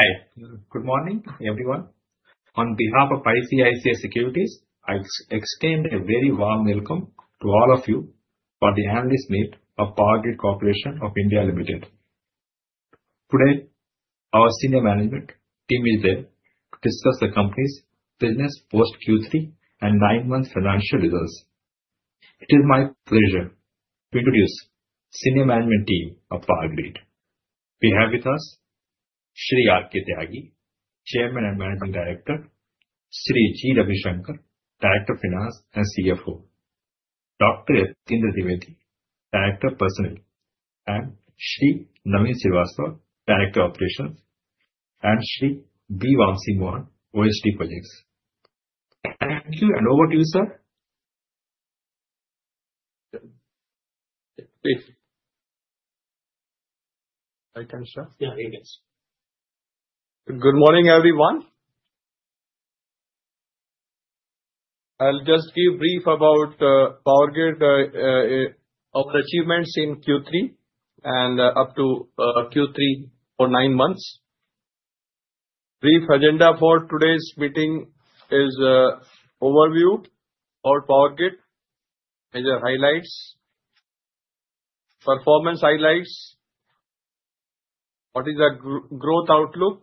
Hi. Good morning, everyone. On behalf of ICICI Securities, I extend a very warm welcome to all of you for the annual meeting of Power Grid Corporation of India Limited. Today, our senior management team is there to discuss the company's business post-Q3 and nine-month financial results. It is my pleasure to introduce the senior management team of Power Grid. We have with us Shri R. K. Tyagi, Chairman and Managing Director, Shri G. Ravisankar, Director of Finance and CFO, Dr. Yatindra Dwivedi, Director of Personnel, and Shri Naveen Srivastava, Director of Operations, and Shri B. Vamsi Mohan, Director Projects. Thank you, and over to you, sir. Thank you. Hi, thank you, sir. Yeah, you can. Good morning, everyone. I'll just give a brief about Power Grid, our achievements in Q3 and up to Q3 for nine months. Brief agenda for today's meeting is overview of Power Grid, major highlights, performance highlights, what is the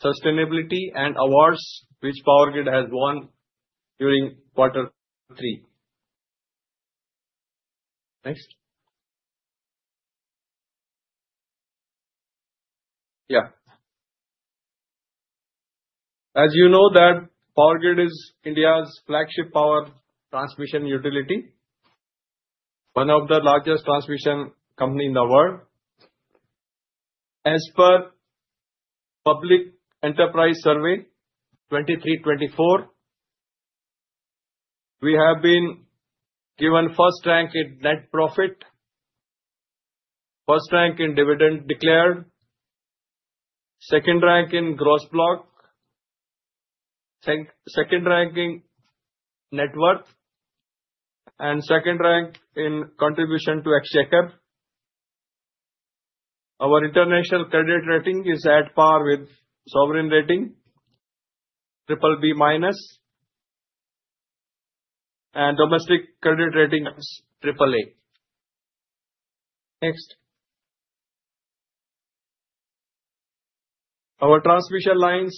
growth outlook, sustainability, and awards which Power Grid has won during quarter three. Next. Yeah. As you know, Power Grid is India's flagship power transmission utility, one of the largest transmission companies in the world. As per Public Enterprise Survey 2023-2024, we have been given first rank in net profit, first rank in dividend declared, second rank in gross block, second rank in net worth, and second rank in contribution to exchange. Our international credit rating is at par with sovereign rating, BBB-, and domestic credit rating is AAA. Next. Our transmission lines,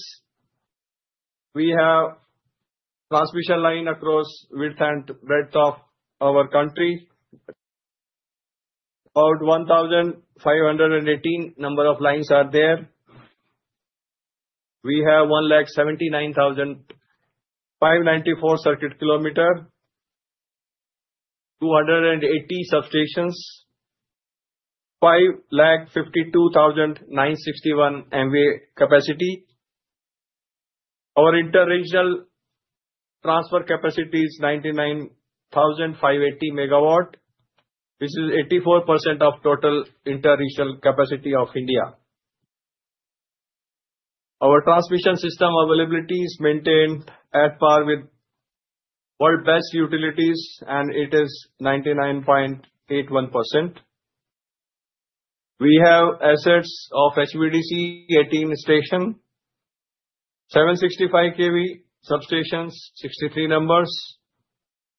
we have transmission lines across the width and breadth of our country. About 1,518 number of lines are there. We have 179,594 circuit kilometers, 280 substations, 552,961 MVA capacity. Our interregional transfer capacity is 99,580 megawatts, which is 84% of total interregional capacity of India. Our transmission system availability is maintained at par with world-based utilities, and it is 99.81%. We have assets of HVDC 18 stations, 765 kV substations, 63 numbers,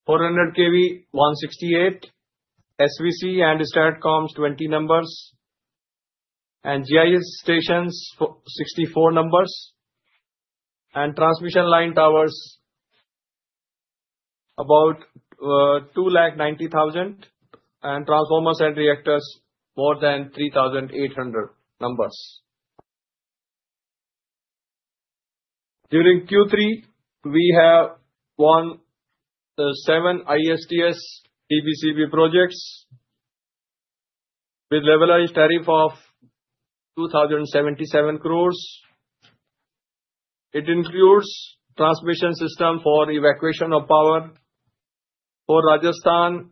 400 kV, 168 SVC and STATCOMS, 20 numbers, and GIS stations, 64 numbers, and transmission line towers, about 290,000, and transformers and reactors, more than 3,800 numbers. During Q3, we have won seven ISTS TBCB projects with leveraged tariff of 2,077 crores. It includes transmission system for evacuation of power for Rajasthan,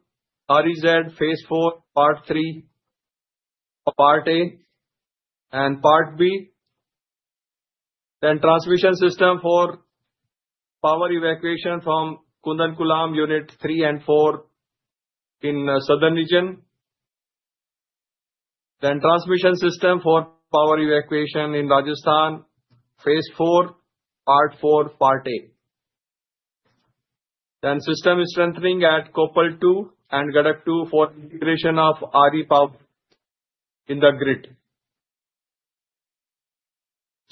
REZ Phase 4, Part 3, Part A, and Part B, then transmission system for power evacuation from Kudankulam Unit 3 and 4 in the southern region, then transmission system for power evacuation in Rajasthan, Phase 4, Part 4, Part A. Then system strengthening at Koppal 2 and Gadag 2 for integration of RE power in the grid.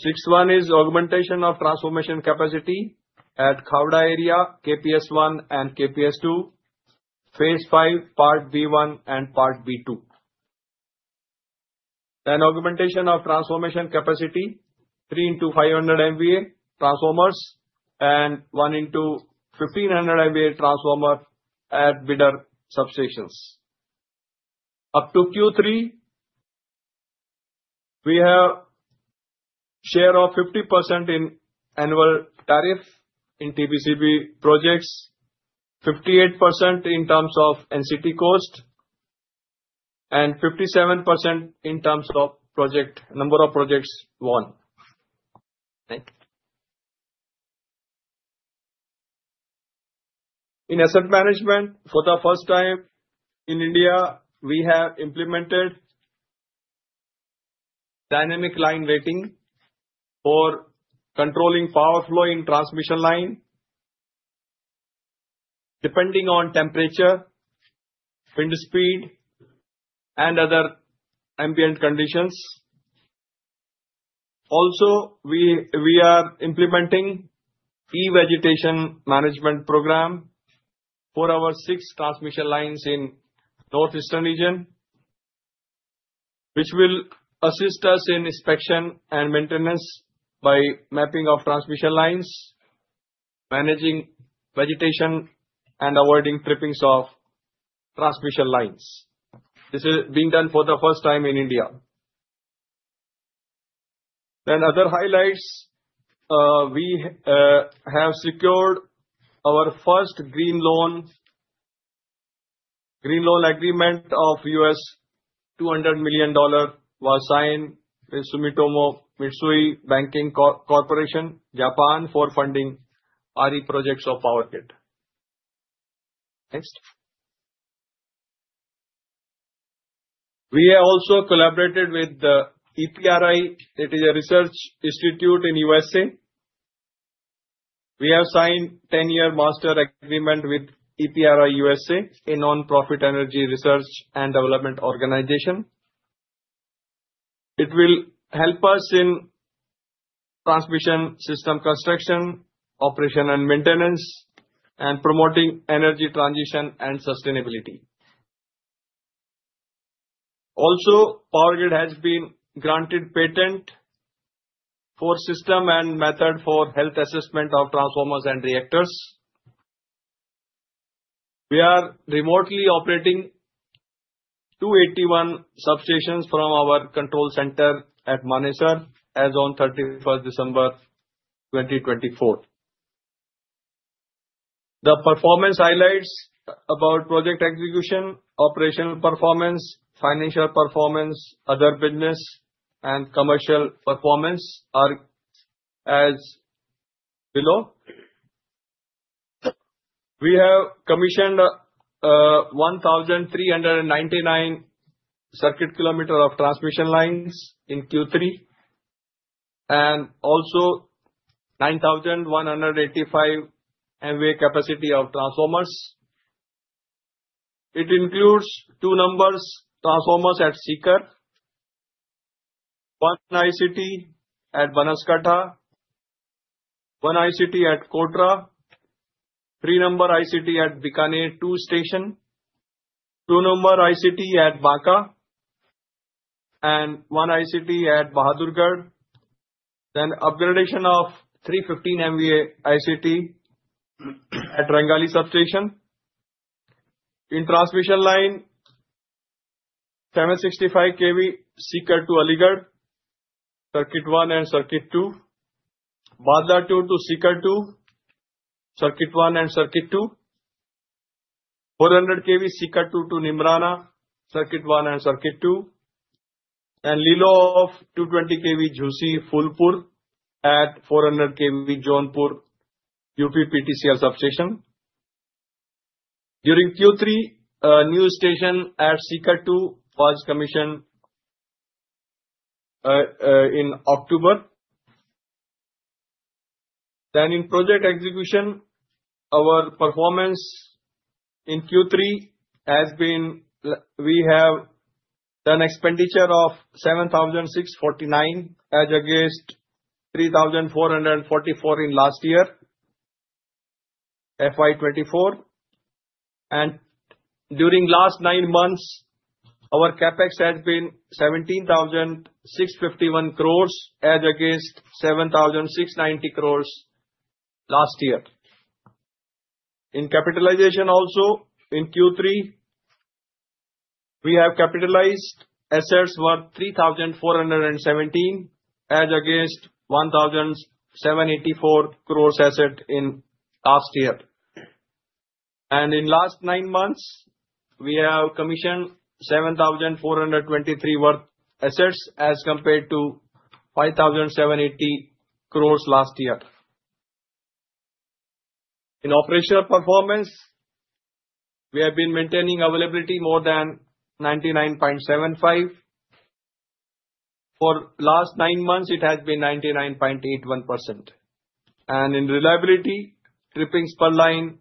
Phase 1 is augmentation of transformer capacity at Khavda area, KPS 1 and KPS 2, Phase 5, Part B1 and Part B2. Then augmentation of transformer capacity, 3 into 500 MVA transformers and 1 into 1,500 MVA transformer at Bidar substations. Up to Q3, we have a share of 50% in annual tariff in TBCB projects, 58% in terms of NCT cost, and 57% in terms of number of projects won. Thank you. In asset management, for the first time in India, we have implemented dynamic line rating for controlling power flow in transmission line, depending on temperature, wind speed, and other ambient conditions. Also, we are implementing e-vegetation management program for our six transmission lines in the northeastern region, which will assist us in inspection and maintenance by mapping of transmission lines, managing vegetation, and avoiding trippings of transmission lines. This is being done for the first time in India. Then other highlights, we have secured our first green loan agreement of $200 million was signed with Sumitomo Mitsui Banking Corporation, Japan, for funding RE projects of Power Grid. Next. We have also collaborated with EPRI. It is a research institute in U.S. We have signed a 10-year master agreement with EPRI USA, a nonprofit energy research and development organization. It will help us in transmission system construction, operation, and maintenance, and promoting energy transition and sustainability. Also, Power Grid has been granted a patent for a system and method for health assessment of transformers and reactors. We are remotely operating 281 substations from our control center at Manesar as of 31st December 2024. The performance highlights about project execution, operational performance, financial performance, other business, and commercial performance are as below. We have commissioned 1,399 circuit kilometers of transmission lines in Q3 and also 9,185 MVA capacity of transformers. It includes two numbers of transformers at Sikar, one ICT at Banaskantha, one ICT at Kotra, three number ICT at Bikaner 2 station, two number ICT at Banka, and one ICT at Bahadurgarh. Then upgradation of 315 MVA ICT at Rengali substation. In transmission line, 765 kV Sikar to Aligarh circuit 1 and circuit 2, Bhadla 2 to Sikar 2 circuit 1 and circuit 2, 400 kV Sikar 2 to Neemrana circuit 1 and circuit 2, and LILO of 220 kV Jhusi-Phulpur at 400 kV Jaunpur UPPTCL substation. During Q3, a new station at Sikar 2 was commissioned in October. In project execution, our performance in Q3 has been we have done expenditure of 7,649 crores as against 3,444 crores in last year, FY 2024. During the last nine months, our CapEx has been 17,651 crores as against 7,690 crores last year. In capitalization also, in Q3, we have capitalized assets worth 3,417 crores as against 1,784 crores assets in last year. In the last nine months, we have commissioned 7,423 crores worth of assets as compared to 5,780 crores last year. In operational performance, we have been maintaining availability more than 99.75%. For the last nine months, it has been 99.81%. And in reliability, trippings per line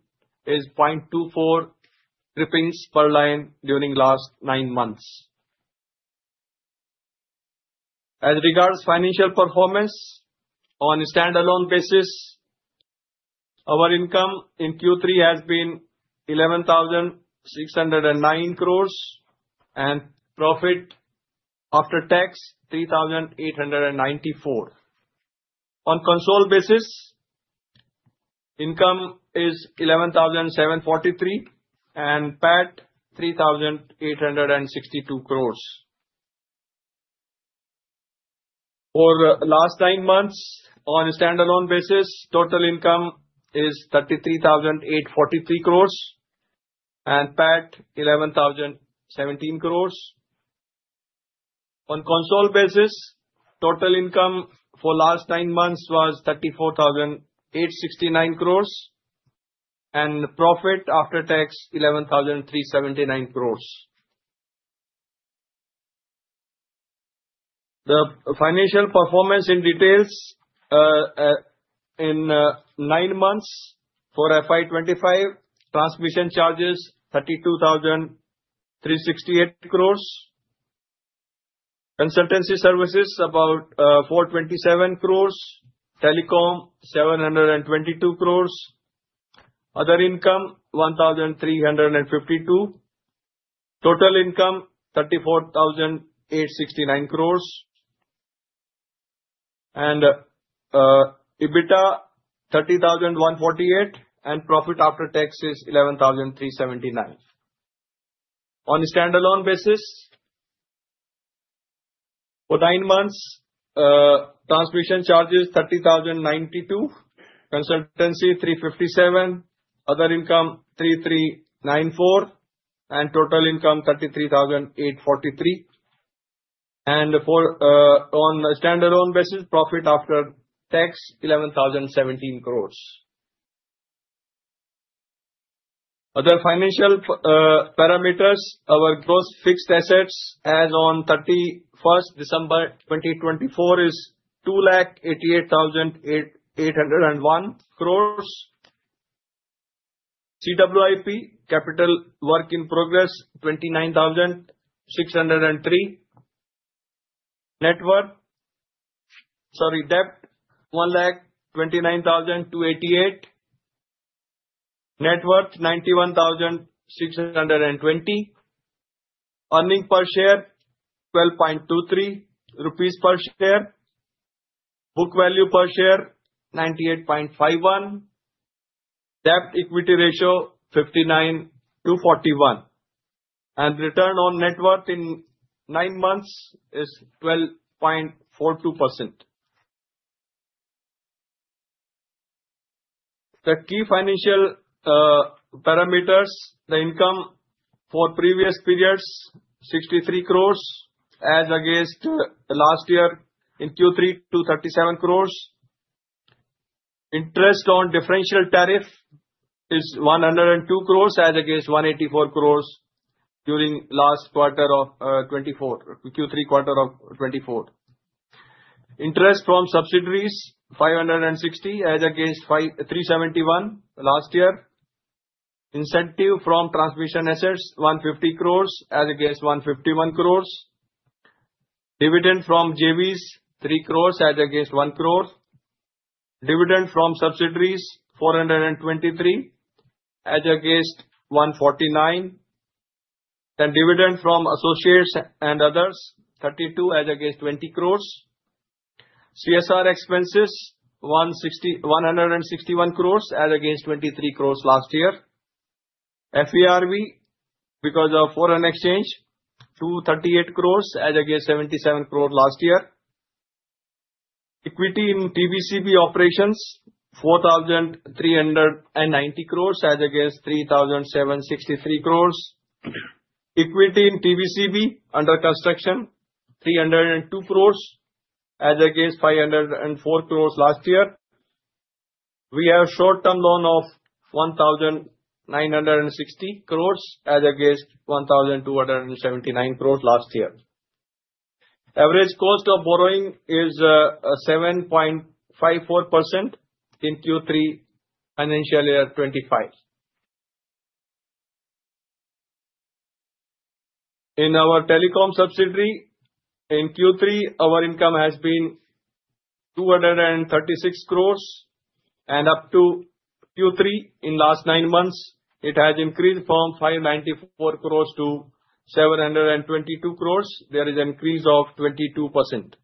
is 0.24 trippings per line during the last nine months. As regards to financial performance, on a standalone basis, our income in Q3 has been 11,609 crores and profit after tax 3,894. On consolidated basis, income is 11,743 and PAT 3,862 crores. For the last nine months, on a standalone basis, total income is 33,843 crores and PAT 11,017 crores. On consolidated basis, total income for the last nine months was 34,869 crores and profit after tax 11,379 crores. The financial performance in details in nine months for FY 25, transmission charges 32,368 crores, consultancy services about 427 crores, telecom 722 crores, other income 1,352, total income 34,869 crores, and EBITDA 30,148, and profit after tax is 11,379. On a standalone basis, for nine months, transmission charges INR 30,092 crores, consultancy 357 crores, other income 3,394 crores, and total income 33,843 crores, and on a standalone basis, profit after tax 11,017 crores. Other financial parameters, our gross fixed assets as of 31st December 2024 is 288,801 crores, CWIP capital work in progress 29,603 crores, net worth sorry, debt 129,288 crores, net worth 91,620 crores, earning per share 12.23 rupees per share, book value per share 98.51, debt equity ratio 59 to 41, and return on net worth in nine months is 12.42%. The key financial parameters, the income for previous periods 63 crores as against last year in Q3 37 crores. Interest on differential tariff is 102 crores as against 184 crores during the last quarter of 2024, Q3 quarter of 2024. Interest from subsidiaries 560 crores as against 371 crores last year. Incentive from transmission assets 150 crores as against 151 crores. Dividend from JVs 3 crores as against 1 crore. Dividend from subsidiaries 423 as against 149. Then dividend from associates and others 32 as against 20 crores. CSR expenses 161 crores as against 23 crores last year. FERV because of foreign exchange 238 crores as against 77 crores last year. Equity in TBCB operations 4,390 crores as against 3,763 crores. Equity in TBCB under construction 302 crores as against 504 crores last year. We have short-term loan of 1,960 crores as against 1,279 crores last year. Average cost of borrowing is 7.54% in Q3 financial year 25. In our telecom subsidiary in Q3, our income has been 236 crores. And up to Q3 in the last nine months, it has increased from 594 crores to 722 crores. There is an increase of 22%.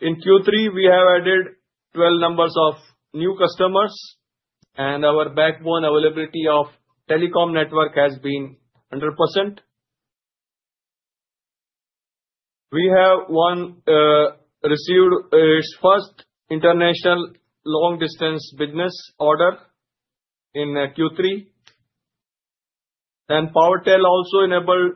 In Q3, we have added 12 numbers of new customers, and our backbone availability of telecom network has been 100%. We have received its first international long-distance business order in Q3. PowerTel also enabled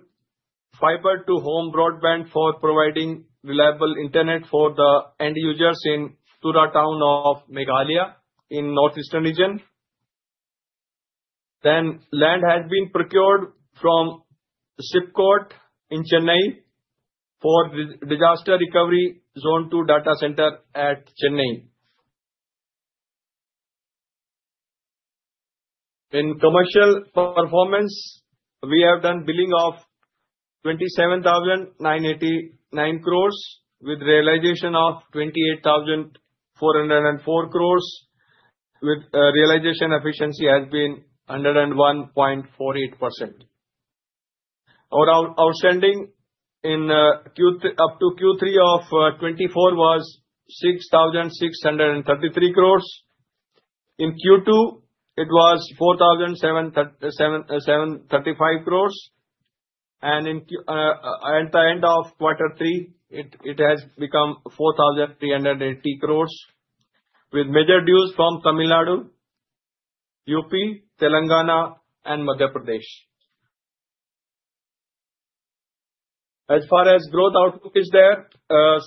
fiber to home broadband for providing reliable internet for the end users in Tura town of Meghalaya in the north-eastern region. Land has been procured from SIPCOT in Chennai for disaster recovery zone 2 data center at Chennai. In commercial performance, we have done billing of 27,989 crores with realization of 28,404 crores. The realization efficiency has been 101.48%. Our outstanding up to Q3 of 24 was 6,633 crores. In Q2, it was 4,735 crores. At the end of quarter three, it has become 4,380 crores with major dues from Tamil Nadu, UP, Telangana, and Madhya Pradesh. As far as growth outlook is there,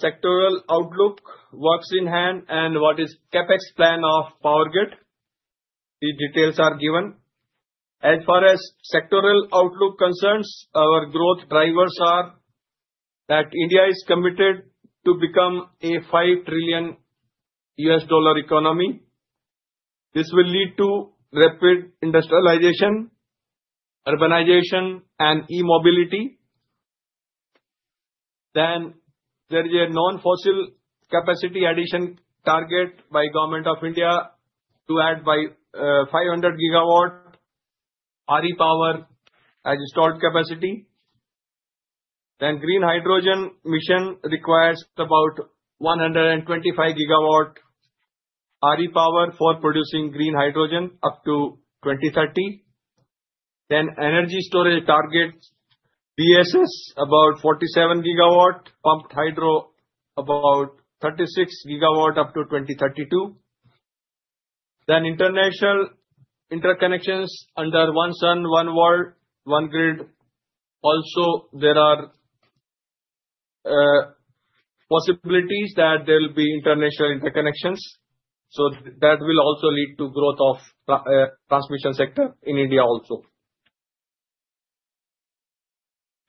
sectoral outlook works in hand and what is CapEx plan of Power Grid. The details are given. As far as sectoral outlook concerns, our growth drivers are that India is committed to become a $5 trillion economy. This will lead to rapid industrialization, urbanization, and e-mobility. Then there is a non-fossil capacity addition target by the government of India to add by 500 gigawatt RE power as installed capacity. Then Green Hydrogen Mission requires about 125 gigawatt RE power for producing green hydrogen up to 2030. Then energy storage target BESS about 47 gigawatt, pumped hydro about 36 gigawatt up to 2032. Then international interconnections under One Sun, One World, One Grid. Also, there are possibilities that there will be international interconnections. So that will also lead to growth of the transmission sector in India also.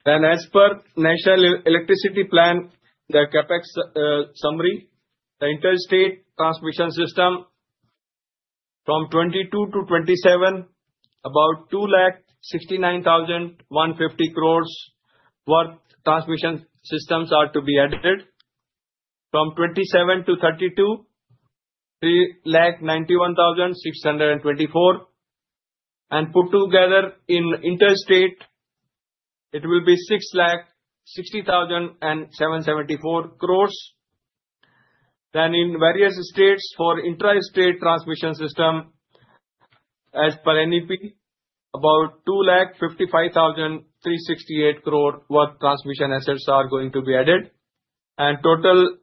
Then, as per the National Electricity Plan, the CapEx summary, the interstate transmission system from 22 to 27, about 2,69,150 crores worth of transmission systems are to be added. From 27 to 32, 3,91,624. And put together in interstate, it will be 6,60,774 crores. Then in various states for the intra-state transmission system, as per NEP, about 2,55,368 crore worth of transmission assets are going to be added. And total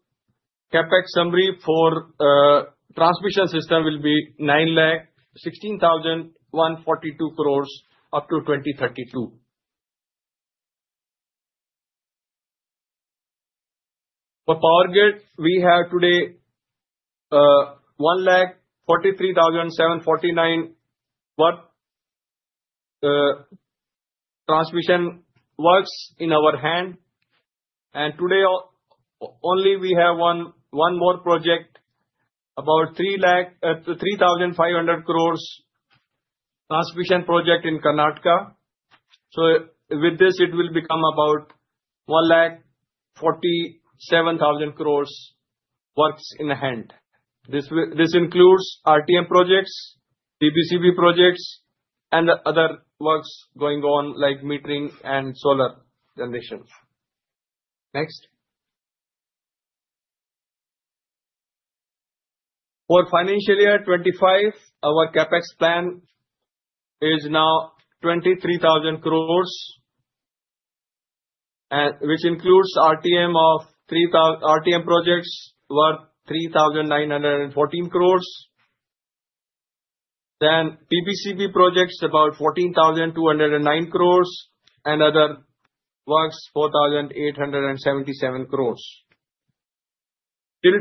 CapEx summary for the transmission system will be 9,16,142 crores up to 2032. For Power Grid, we have today 1,43,749 worth of transmission works in our hand. And today only we have one more project, about 3,500 crores of transmission project in Karnataka. So with this, it will become about 1,47,000 crores of works in hand. This includes RTM projects, TBCB projects, and other works going on like metering and solar generation. Next. For financial year 25, our CapEx plan is now 23,000 crores, which includes RTM projects worth 3,914 crores. TBCB projects about 14,209 crores and other works 4,877 crores. Till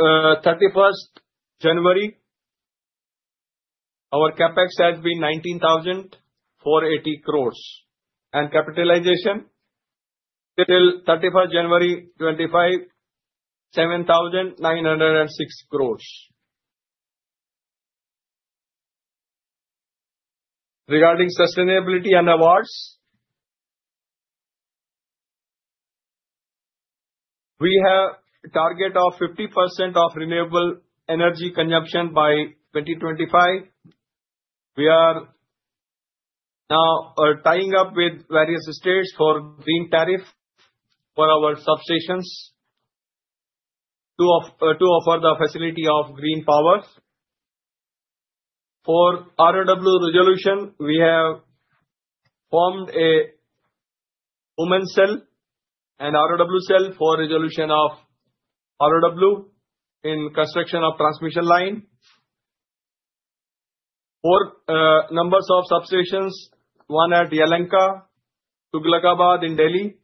31st January, our CapEx has been 19,480 crores. Capitalization till 31st January 2025, 7,906 crores. Regarding sustainability and awards, we have a target of 50% of renewable energy consumption by 2025. We are now tying up with various states for green tariff for our substations to offer the facility of green power. For ROW resolution, we have formed a woman cell and ROW cell for resolution of ROW in construction of transmission line. Four numbers of substations, one at Yelahanka, Tughlakabad in Delhi,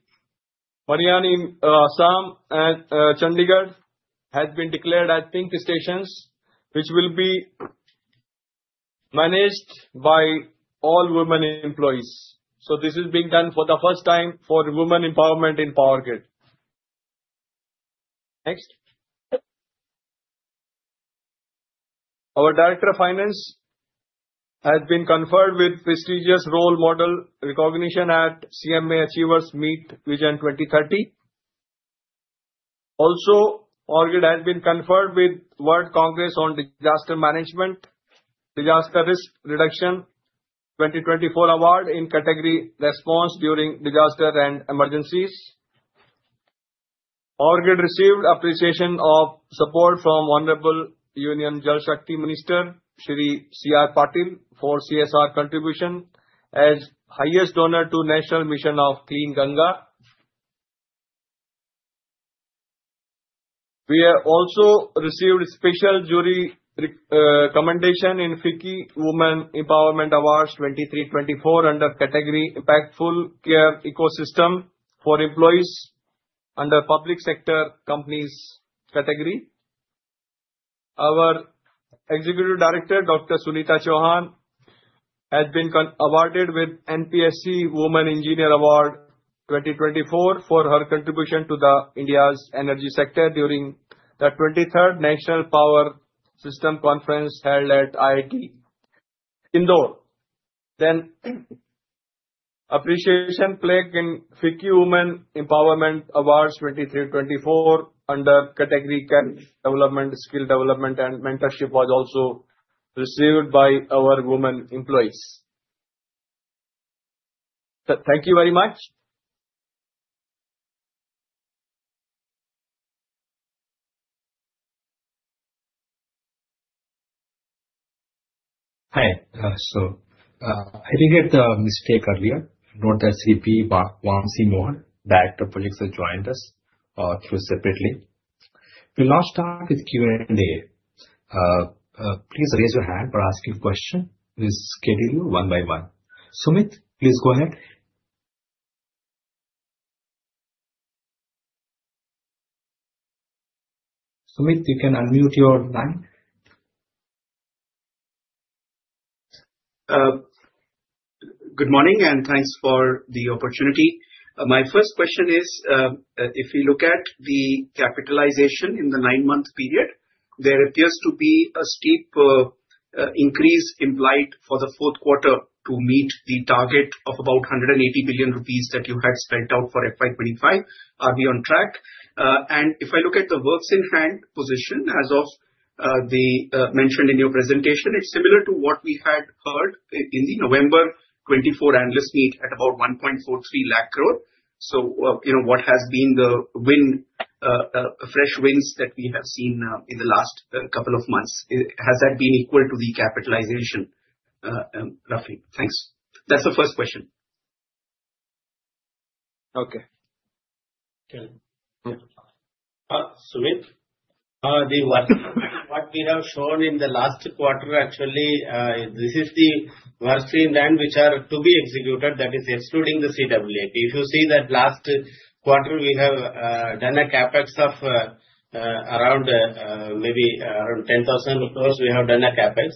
Mariani, Assam, and Chandigarh have been declared as pink stations, which will be managed by all women employees. This is being done for the first time for women empowerment in Power Grid. Next. Our Director of Finance has been conferred with prestigious role model recognition at CMA Achievers Meet Vision 2030. Also, Power Grid has been conferred with World Congress on Disaster Management, Disaster Risk Reduction 2024 Award in category Response During Disaster and Emergencies. Power Grid received appreciation of support from Honorable Union Jal Shakti Minister Sri C. R. Patil for CSR contribution as highest donor to the National Mission of Clean Ganga. We have also received special jury recommendation in FICCI Women Empowerment Awards 23-24 under category Impactful Care Ecosystem for Employees under Public Sector Companies category. Our Executive Director, Dr. Sunita Chauhan, has been awarded with NPSC Woman Engineer Award 2024 for her contribution to India's energy sector during the 23rd National Power System Conference held at IIT Indore. Then an appreciation plaque in FICCI Women Empowerment Awards 2023-24 under category Development, Skill Development, and Mentorship was also received by our women employees. Thank you very much. Hi. So I think I had a mistake earlier. Note that Shri B. Vamsi Mohan, Director of Projects, has joined us separately. We'll now start with Q&A. Please raise your hand for asking a question. We'll schedule you one by one. Sumit, please go ahead. Sumit, you can unmute your line. Good morning and thanks for the opportunity. My first question is, if we look at the capitalization in the nine-month period, there appears to be a steep increase implied for the fourth quarter to meet the target of about 180 billion rupees that you had set out for FY2025. Are we on track? If I look at the works in hand position as mentioned in your presentation, it's similar to what we had heard in the November 2024 analyst meet at about 1.43 lakh crore. So what has been the fresh wins that we have seen in the last couple of months? Has that been equal to the capitalization, roughly? Thanks. That's the first question. Okay. Okay. Sumit, what we have shown in the last quarter, actually, this is the work in hand which are to be executed, that is excluding the CWIP. If you see that last quarter, we have done a CapEx of around maybe around 10,000 crores we have done a CapEx.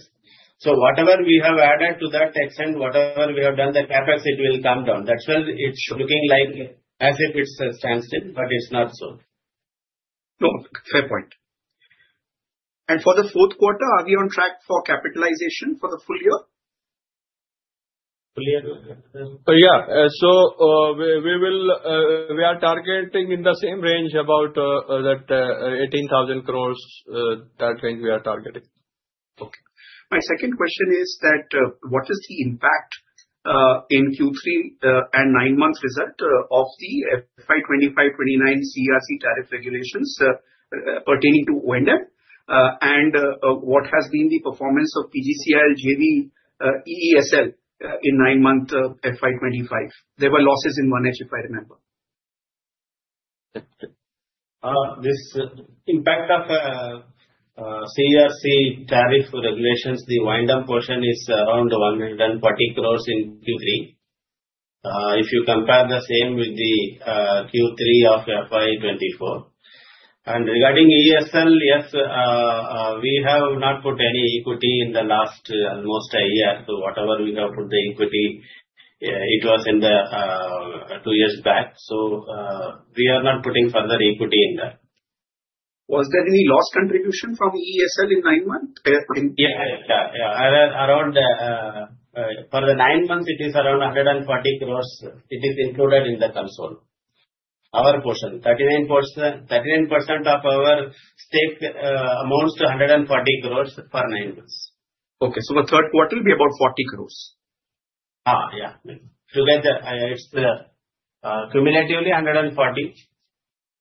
So whatever we have added to that extent, whatever we have done the CapEx, it will come down. That's why it's looking like as if it stands still, but it's not so. No, fair point. For the fourth quarter, are we on track for capitalization for the full year? Full year? Yeah. We are targeting in the same range, about that 18,000 crores, that range we are targeting. Okay. My second question is that what is the impact in Q3 and nine-month result of the FY2025-2029 CERC tariff regulations pertaining to O&M? And what has been the performance of PGCIL JV EESL in nine-month FY2025? There were losses in one edge, if I remember. This impact of CERC tariff regulations, the true-up portion is around 140 crores in Q3. If you compare the same with the Q3 of FY2024. Regarding EESL, yes, we have not put any equity in the last almost a year. Whatever we have put the equity, it was in the two years back. We are not putting further equity in that. Was there any loss contribution from EESL in nine months? Yeah, yeah, yeah. Around for the nine months, it is around 140 crores. It is included in the consolidated. Our portion, 39% of our stake amounts to 140 crores for nine months. Okay. So for the third quarter, it will be about 40 crores? Yeah. Together, it's cumulatively 140.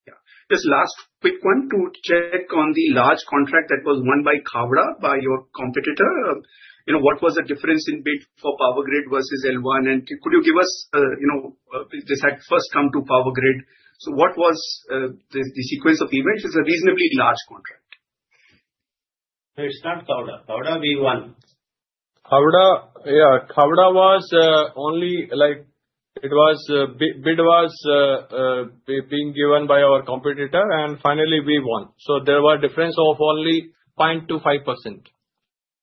Yeah. Just last quick one to check on the large contract that was won by Khavda by your competitor. What was the difference in bid for Power Grid versus L1? And could you give us, this had first come to Power Grid. So what was the sequence of events? It's a reasonably large contract. It's not Khavda. Khavda, we won. Khavda, yeah. Khavda was only like the bid was being given by our competitor, and finally, we won. So there were difference of only 0.25%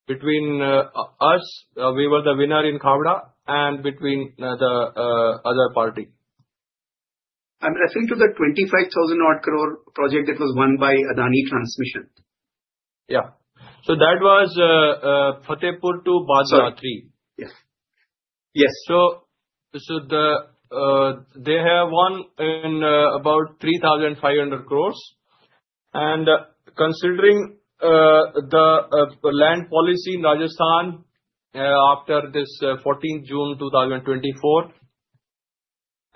between us, we were the winner in Khavda, and between the other party. I'm referring to the INR 25,000 crore project that was won by Adani Transmission. Yeah. So that was Fatehpur to Bhadla III. Yes. Yes. So they have won in about 3,500 crores. And considering the land policy in Rajasthan after this 14th June 2024,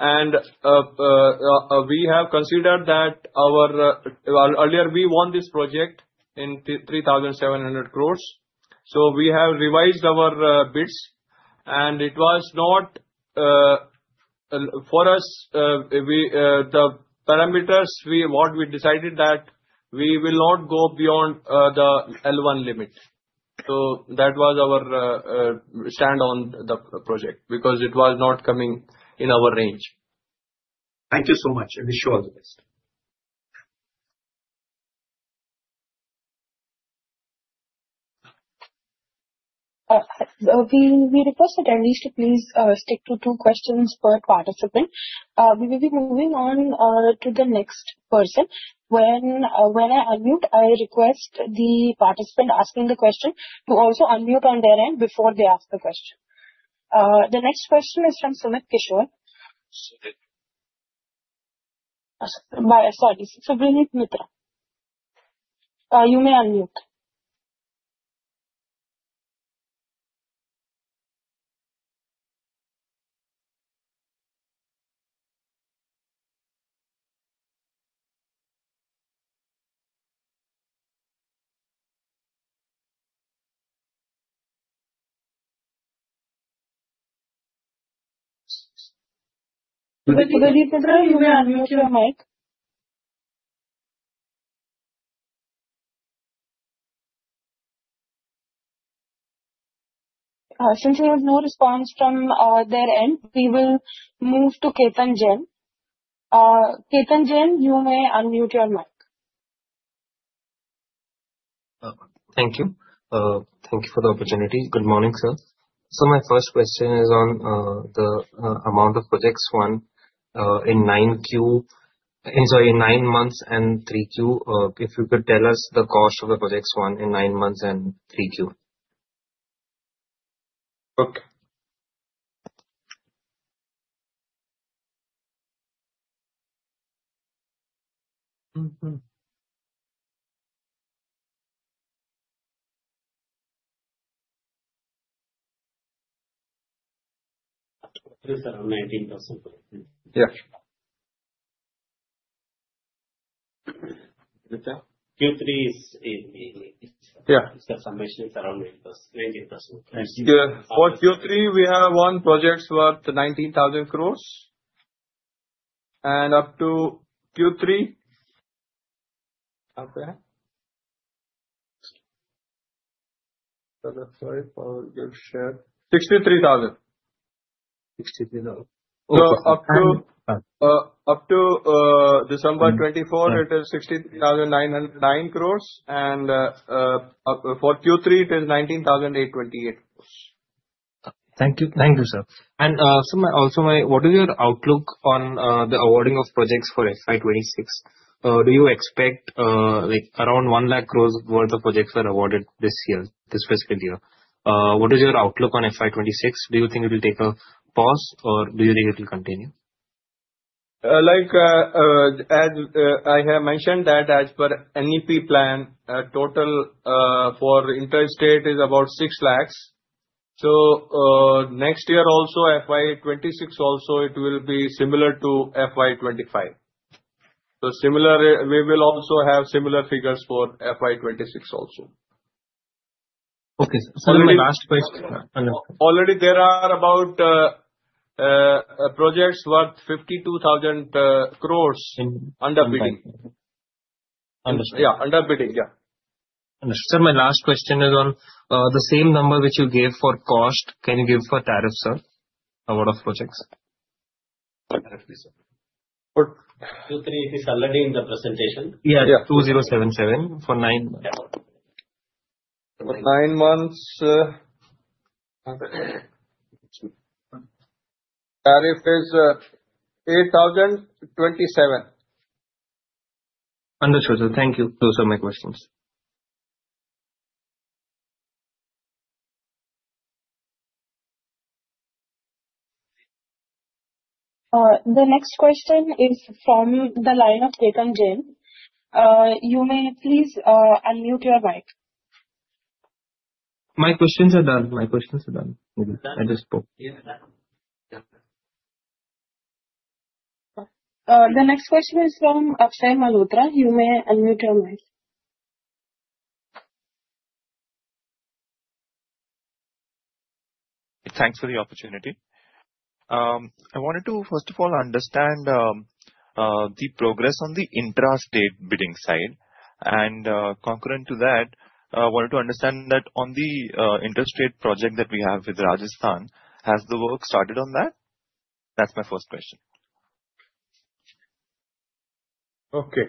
and we have considered that our earlier we won this project in 3,700 crores. So we have revised our bids. And it was not for us, the parameters we decided that we will not go beyond the L1 limit. So that was our stand on the project because it was not coming in our range. Thank you so much. I wish you all the best. We request that at least you please stick to two questions per participant. We will be moving on to the next person. When I unmute, I request the participant asking the question to also unmute on their end before they ask the question. The next question is from Sumit Kishor. Sorry. Subhadip Mitra. You may unmute. Subhadip Mitra, you may unmute your mic. Since there was no response from their end, we will move to Ketan Jain. Ketan Jain, you may unmute your mic. Thank you. Thank you for the opportunity. Good morning, sir. So my first question is on the amount of projects won in 9Q, sorry, in nine months and 3Q. If you could tell us the cost of the projects won in nine months and 3Q. Okay. Yes, around 19%. Yeah. Q3 is the submission is around 19%. For Q3, we have won projects worth 19,000 crores. And up to Q3. Sorry, Power Grid's share. 63,000. 63,000. So up to December 24, it is 63,909 crores. For Q3, it is 19,828 crores. Thank you. Thank you, sir. And also, what is your outlook on the awarding of projects for FY2026? Do you expect around 1 lakh crores worth of projects were awarded this year, this fiscal year? What is your outlook on FY2026? Do you think it will take a pause, or do you think it will continue? As I have mentioned, that as per NEP plan, total for interstate is about 6 lakhs. So next year, also FY2026, also it will be similar to FY2025. So we will also have similar figures for FY2026 also. Okay. So my last question. Already, there are about projects worth 52,000 crores under bidding. Yeah, under bidding. Yeah. Understood. Sir, my last question is on the same number which you gave for cost, can you give for tariff, sir, award of projects? Tariff, please. For Q3, it is already in the presentation. Yeah, 2077 for nine. Nine months. Tariff is 8,027. Understood, sir. Thank you. Those are my questions. The next question is from the line of Ketan Jain. You may please unmute your mic. My questions are done. My questions are done. I just spoke. The next question is from Akshay Malhotra. You may unmute your mic. Thanks for the opportunity. I wanted to, first of all, understand the progress on the interstate bidding side. And concurrent to that, I wanted to understand that on the interstate project that we have with Rajasthan, has the work started on that? That's my first question. Okay.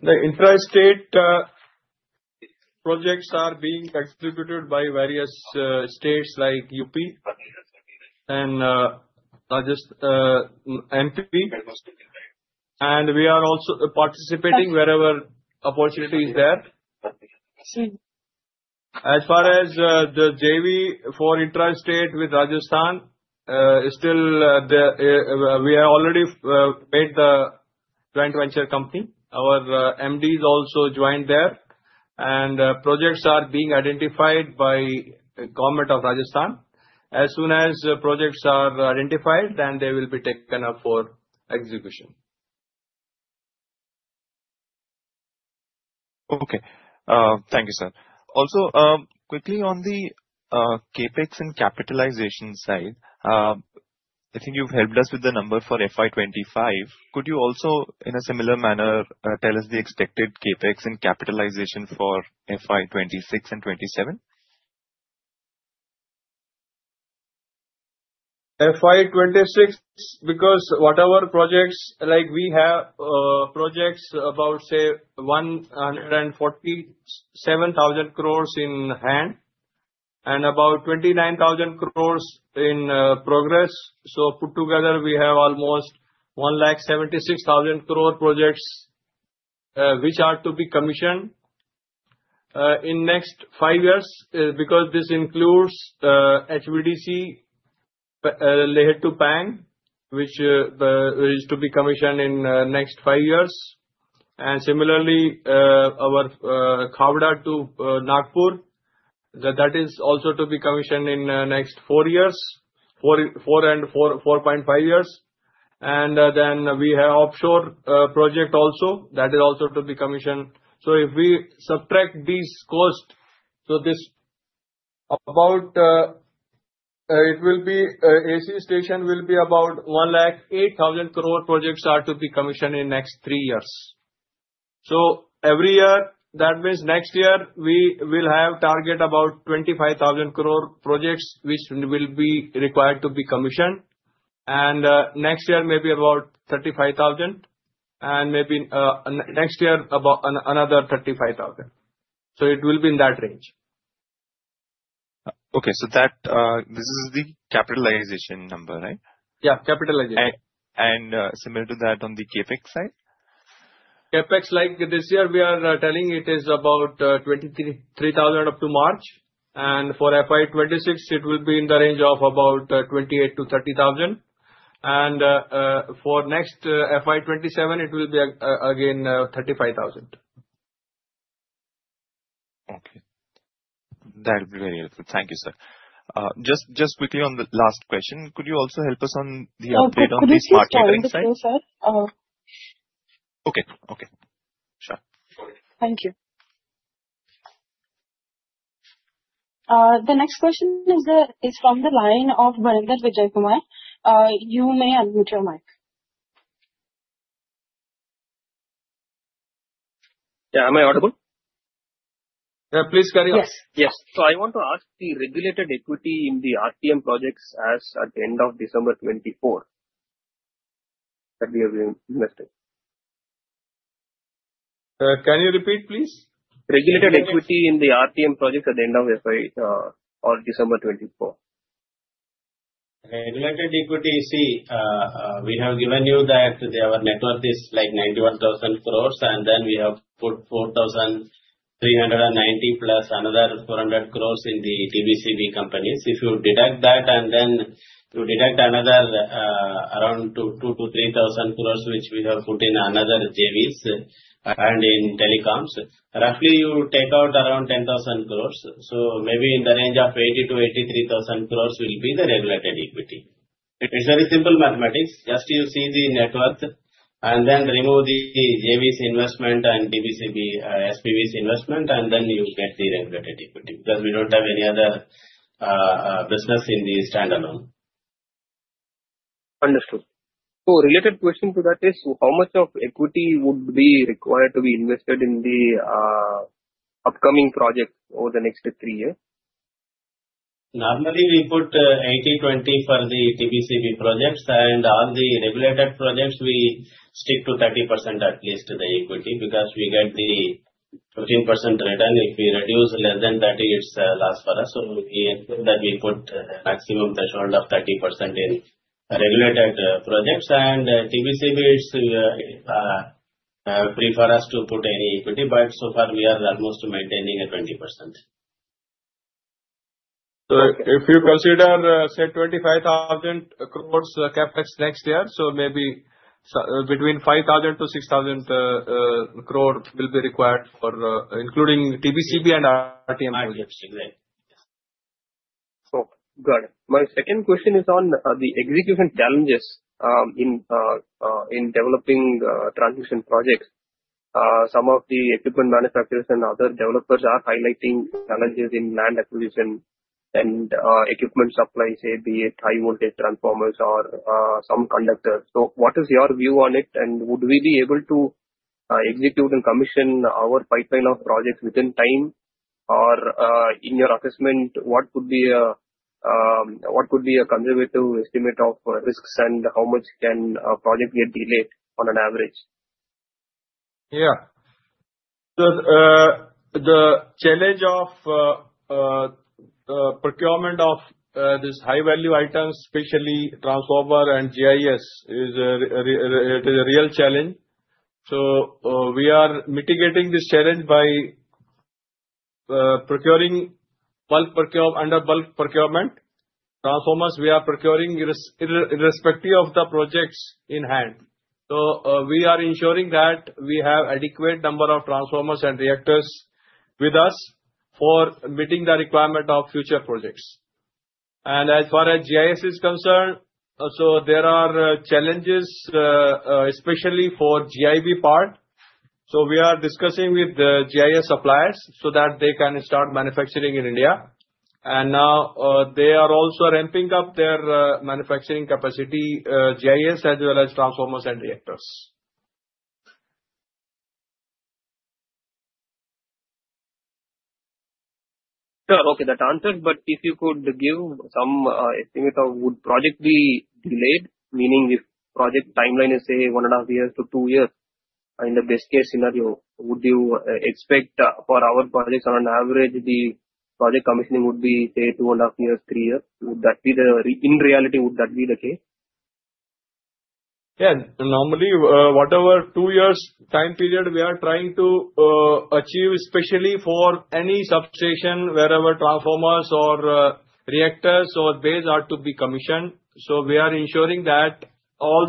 The interstate projects are being executed by various states like UP and MP. And we are also participating wherever opportunity is there. As far as the JV for interstate with Rajasthan, still we have already made the joint venture company. Our MDs also joined there. And projects are being identified by the government of Rajasthan. As soon as projects are identified, then they will be taken up for execution. Okay. Thank you, sir. Also, quickly on the CapEx and capitalization side, I think you've helped us with the number for FY2025. Could you also, in a similar manner, tell us the expected CapEx and capitalization for FY2026 and 2027? FY2026, because whatever projects like we have projects about, say, 147,000 crores in hand and about 29,000 crores in progress. So put together, we have almost 176,000 crore projects which are to be commissioned in next five years because this includes HVDC, Leh to Pang, which is to be commissioned in next five years. Similarly, our Khavda to Nagpur, that is also to be commissioned in next four years, four and 4.5 years. Then we have offshore project also that is also to be commissioned. If we subtract these costs, this about it will be AC station will be about 108,000 crore projects are to be commissioned in next three years. Every year, that means next year, we will have target about 25,000 crore projects which will be required to be commissioned. Next year may be about 35,000. Maybe next year, another 35,000. It will be in that range. Okay. This is the capitalization number, right? Yeah, capitalization. Similar to that on the CapEx side? CapEx, like this year, we are telling it is about 23,000 up to March. For FY2026, it will be in the range of about 28,000-30,000. And for next FY 2027, it will be again 35,000. Okay. That will be very helpful. Thank you, sir. Just quickly on the last question, could you also help us on the update on the marketing side? No, thank you. Thank you, sir. Okay. Okay. Sure. Thank you. The next question is from the line of Varinder Vijaykumar. You may unmute your mic. Yeah. Am I audible? Yeah. Please carry on. Yes. Yes. So I want to ask the regulated equity in the RTM projects as at the end of December 2024 that we have invested. Can you repeat, please? Regulated equity in the RTM projects at the end of FY of December 2024? Regulated equity, see, we have given you that our net worth is like 91,000 crores. And then we have put 4,390 plus another 400 crores in the TBCB companies. If you deduct that and then you deduct another around 2,000-3,000 crores, which we have put in another JVs and in telecoms, roughly you take out around 10,000 crores. So maybe in the range of 80,000-83,000 crores will be the regulated equity. It's very simple mathematics. Just you see the net worth and then remove the JVs investment and TBCB SPVs investment, and then you get the regulated equity because we don't have any other business in the standalone. Understood. So related question to that is how much of equity would be required to be invested in the upcoming projects over the next three years? Normally, we put 80-20 for the TBCB projects. And on the regulated projects, we stick to 30% at least to the equity because we get the 15% return if we reduce less than 30%, it's lost for us. So we put maximum threshold of 30% in regulated projects. And TBCBs prefer us to put any equity, but so far, we are almost maintaining a 20%. So if you consider, say, 25,000 crores CapEx next year, so maybe between 5,000 to 6,000 crore will be required for including TBCB and RTM projects. Exactly. So got it. My second question is on the execution challenges in developing transmission projects. Some of the equipment manufacturers and other developers are highlighting challenges in land acquisition and equipment supply, say, be it high-voltage transformers or some conductors. So what is your view on it? And would we be able to execute and commission our pipeline of projects within time? Or in your assessment, what could be a conservative estimate of risks and how much can a project get delayed on an average? Yeah. So the challenge of procurement of these high-value items, especially transformers and GIS, is a real challenge. We are mitigating this challenge by procuring under bulk procurement. Transformers, we are procuring irrespective of the projects in hand. We are ensuring that we have an adequate number of transformers and reactors with us for meeting the requirement of future projects. As far as GIS is concerned, there are challenges, especially for GIB part. We are discussing with GIS suppliers so that they can start manufacturing in India. Now they are also ramping up their manufacturing capacity, GIS as well as transformers and reactors. Sure. Okay. That answers. But if you could give some estimate of would project be delayed, meaning if project timeline is, say, one and a half years to two years in the best-case scenario, would you expect for our projects on an average, the project commissioning would be, say, two and a half years, three years? In reality, would that be the case? Yeah. Normally, whatever two years time period we are trying to achieve, especially for any substation wherever transformers or reactors or bays are to be commissioned. So we are ensuring that all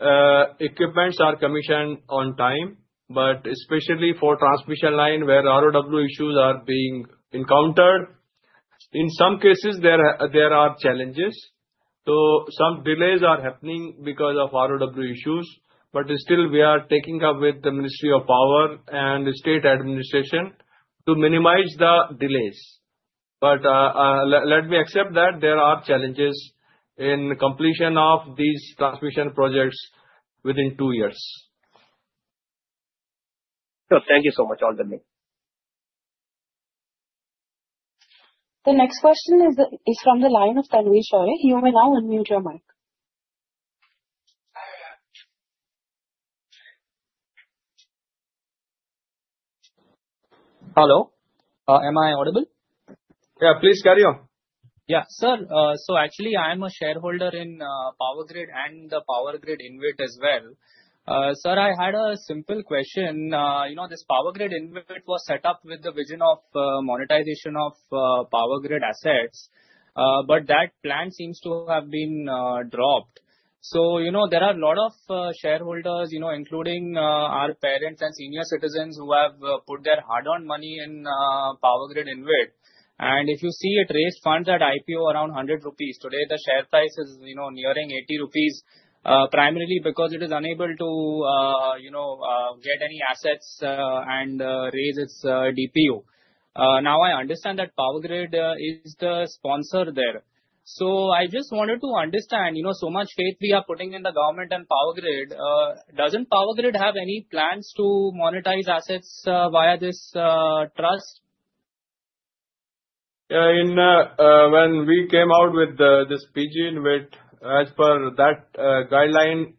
the equipments are commissioned on time. But especially for transmission line where ROW issues are being encountered, in some cases, there are challenges. So some delays are happening because of ROW issues. But still, we are taking up with the Ministry of Power and State Administration to minimize the delays. But let me accept that there are challenges in completion of these transmission projects within two years. Sure. Thank you so much, Alder Ming. The next question is from the line of Tanvi Suri. You may now unmute your mic. Hello. Am I audible? Yeah. Please carry on. Yeah. Sir, so actually, I am a shareholder in Power Grid and the PowerGrid InvIT as well. Sir, I had a simple question. This PowerGrid InvIT was set up with the vision of monetization of Power Grid assets. But that plan seems to have been dropped. So there are a lot of shareholders, including our parents and senior citizens who have put their hard-earned money in PowerGrid InvIT. And if you see, it raised funds at IPO around 100 rupees. Today, the share price is nearing 80 rupees, primarily because it is unable to get any assets and raise its DPO. Now, I understand that Power Grid is the sponsor there. So I just wanted to understand, so much faith we are putting in the government and Power Grid, doesn't Power Grid have any plans to monetize assets via this trust? When we came out with this PG InvIT, as per that guideline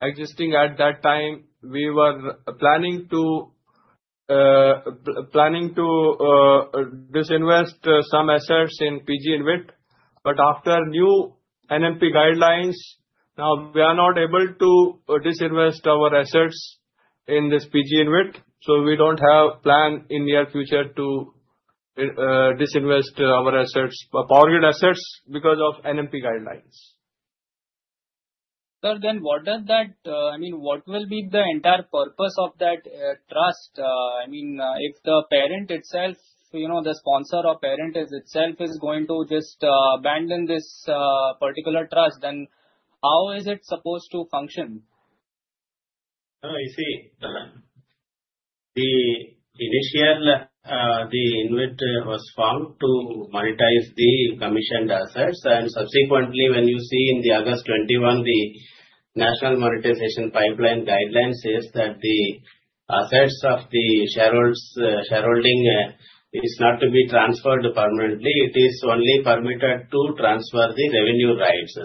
existing at that time, we were planning to disinvest some assets in PG InvIT. But after new NMP guidelines, now we are not able to disinvest our assets in this PG InvIT. So we don't have a plan in the near future to disinvest our assets, Power Grid assets, because of NMP guidelines. Sir, then what does that mean? I mean, what will be the entire purpose of that trust? I mean, if the parent itself, the sponsor or parent itself is going to just abandon this particular trust, then how is it supposed to function? No, you see, the initial, the inventory was found to monetize the commissioned assets. And subsequently, when you see in the August 21, the National Monetization Pipeline Guidelines says that the assets of the shareholding is not to be transferred permanently. It is only permitted to transfer the revenue rights.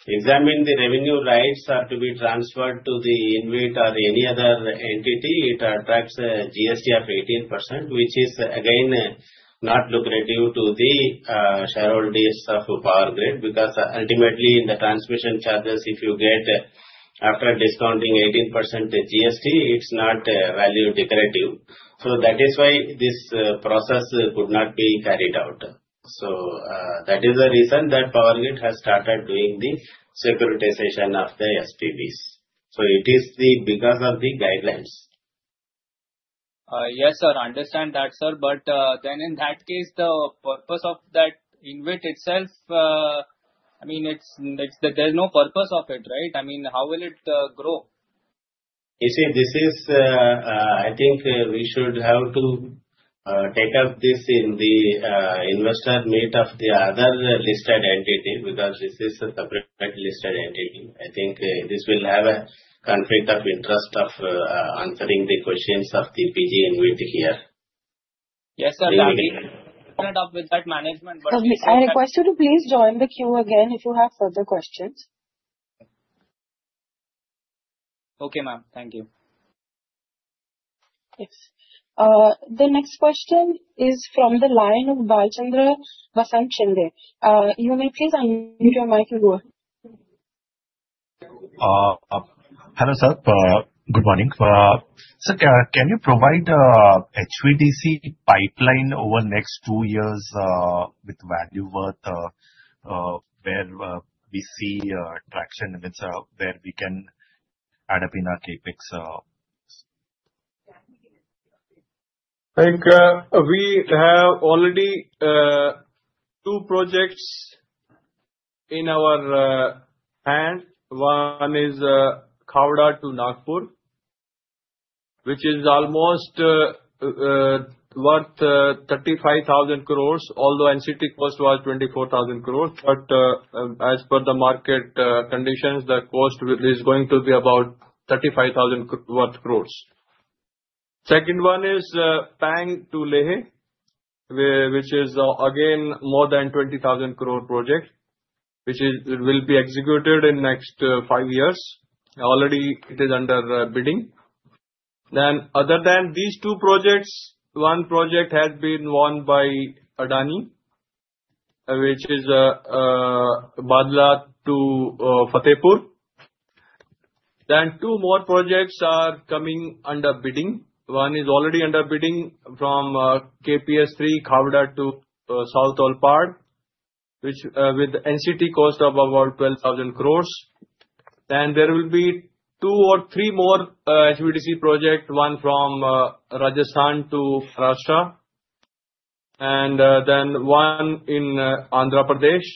So when we examine the revenue rights are to be transferred to the InvIT or any other entity, it attracts a GST of 18%, which is again not lucrative to the shareholders of Power Grid because ultimately, in the transmission charges, if you get after discounting 18% GST, it's not value accretive. So that is why this process could not be carried out. So that is the reason that Power Grid has started doing the securitization of the SPVs. So it is because of the guidelines. Yes, sir. I understand that, sir. But then in that case, the purpose of that InvIT itself, I mean, there's no purpose of it, right? I mean, how will it grow? You see, this is, I think we should have to take up this in the investor meet of the other listed entity because this is a separate listed entity. I think this will have a conflict of interest of answering the questions of the PG InvIT here. Yes, sir. That will be separate of with that management. I request you to please join the queue again if you have further questions. Okay, ma'am. Thank you. Yes. The next question is from the line of Balchandra Basan Chinde. You may please unmute your mic and go ahead. Hello, sir. Good morning. Sir, can you provide HVDC pipeline over next two years with value worth where we see traction and where we can add up in our capex? We have already two projects in our hand. One is Khavda to Nagpur, which is almost worth 35,000 crores, although NCT cost was 24,000 crores. But as per the market conditions, the cost is going to be about 35,000 worth crores. Second one is Pang to Leh, which is again more than 20,000 crore project, which will be executed in next five years. Already, it is under bidding. Then other than these two projects, one project has been won by Adani, which is Bhadla to Fatehpur. Then two more projects are coming under bidding. One is already under bidding from KPS3, Khavda to South Olpad, which with NCT cost of about 12,000 crores. Then there will be two or three more HVDC projects, one from Rajasthan to Maharashtra, and then one in Andhra Pradesh.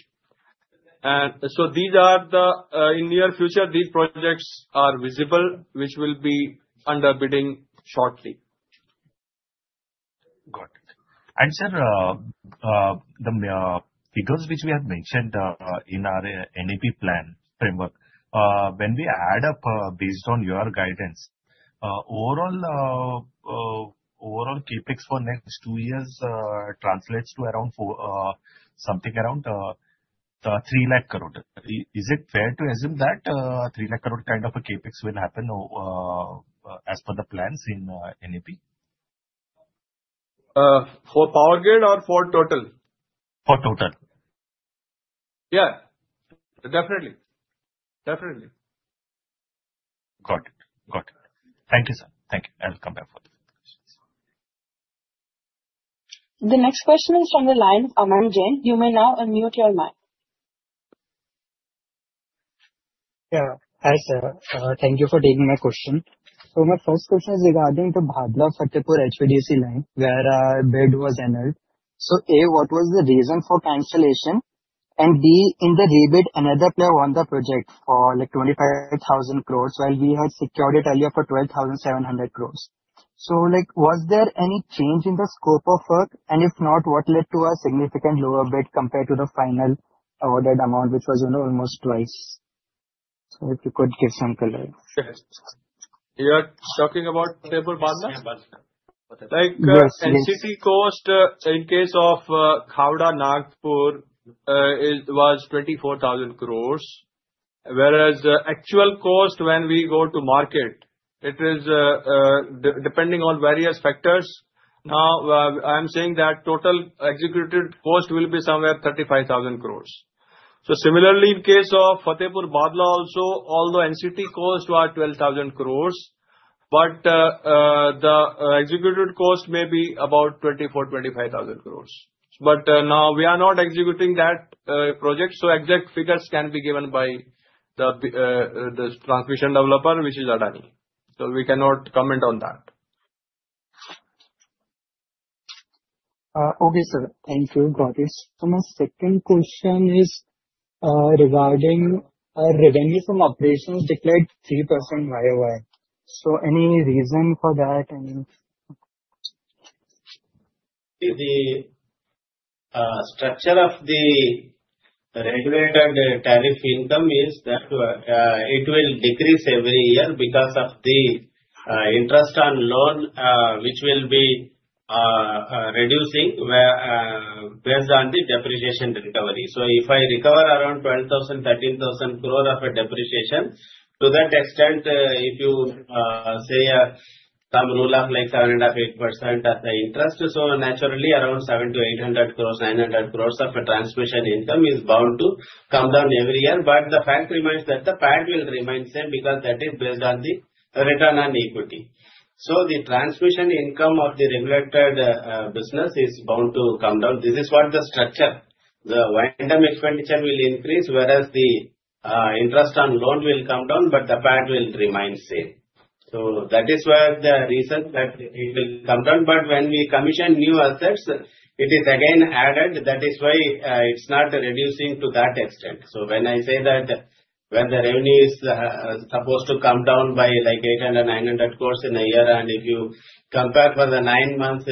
And so these are the in near future, these projects are visible, which will be under bidding shortly. Got it. And sir, the figures which we have mentioned in our NAP plan framework, when we add up based on your guidance, overall CapEx for next two years translates to around something around 3 lakh crore. Is it fair to assume that 3 lakh crore kind of a CapEx will happen as per the plans in NAP? For Power Grid or for total? For total. Yeah. Definitely. Definitely. Got it. Got it. Thank you, sir. Thank you. I will come back for the questions. The next question is from the line of Aman Jain. You may now unmute your mic. Yeah. Hi, sir. Thank you for taking my question. So my first question is regarding the Bhadla-Fatehpur HVDC line where our bid was annulled. So A, what was the reason for cancellation? And B, in the rebid, another player won the project for like 25,000 crores while we had secured it earlier for 12,700 crores. So was there any change in the scope of work? And if not, what led to a significant lower bid compared to the final awarded amount, which was almost twice? So if you could give some color. Sure. You're talking about Fatehpur Bhadla? NCT cost in case of Khavda, Nagpur was 24,000 crores, whereas the actual cost when we go to market, it is depending on various factors. Now, I am saying that total executed cost will be somewhere 35,000 crores. So similarly, in case of Fatehpur Bhadla, also, although NCT cost was 12,000 crores, but the executed cost may be about 24,000-25,000 crores. But now we are not executing that project. So exact figures can be given by the transmission developer, which is Adani. So we cannot comment on that. Okay, sir. Thank you. Got it. So my second question is regarding revenue from operations declared 3% YoY. So any reason for that? The structure of the regulated tariff income is that it will decrease every year because of the interest on loan, which will be reducing based on the depreciation recovery. So if I recover around 12,000-13,000 crore of a depreciation, to that extent, if you say some rule of like 7.5%-8% of the interest, so naturally, around 700-800 crore, 900 crore of a transmission income is bound to come down every year. But the fact remains that the PAT will remain the same because that is based on the return on equity. So the transmission income of the regulated business is bound to come down. This is what the structure. The wind-up expenditure will increase, whereas the interest on loan will come down, but the PAT will remain the same. So that is where the reason that it will come down. But when we commission new assets, it is again added. That is why it's not reducing to that extent. So when I say that when the revenue is supposed to come down by like 800- 900 crores in a year, and if you compare for the nine months,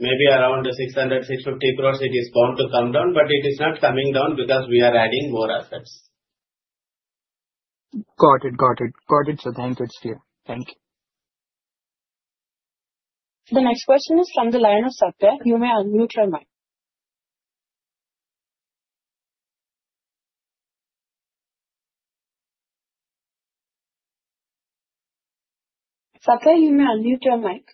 maybe around 600-650 crores, it is bound to come down, but it is not coming down because we are adding more assets. Got it. Got it. Got it. So thank you, Steve. Thank you. The next question is from the line of Satya. You may unmute your mic. Satya, you may unmute your mic.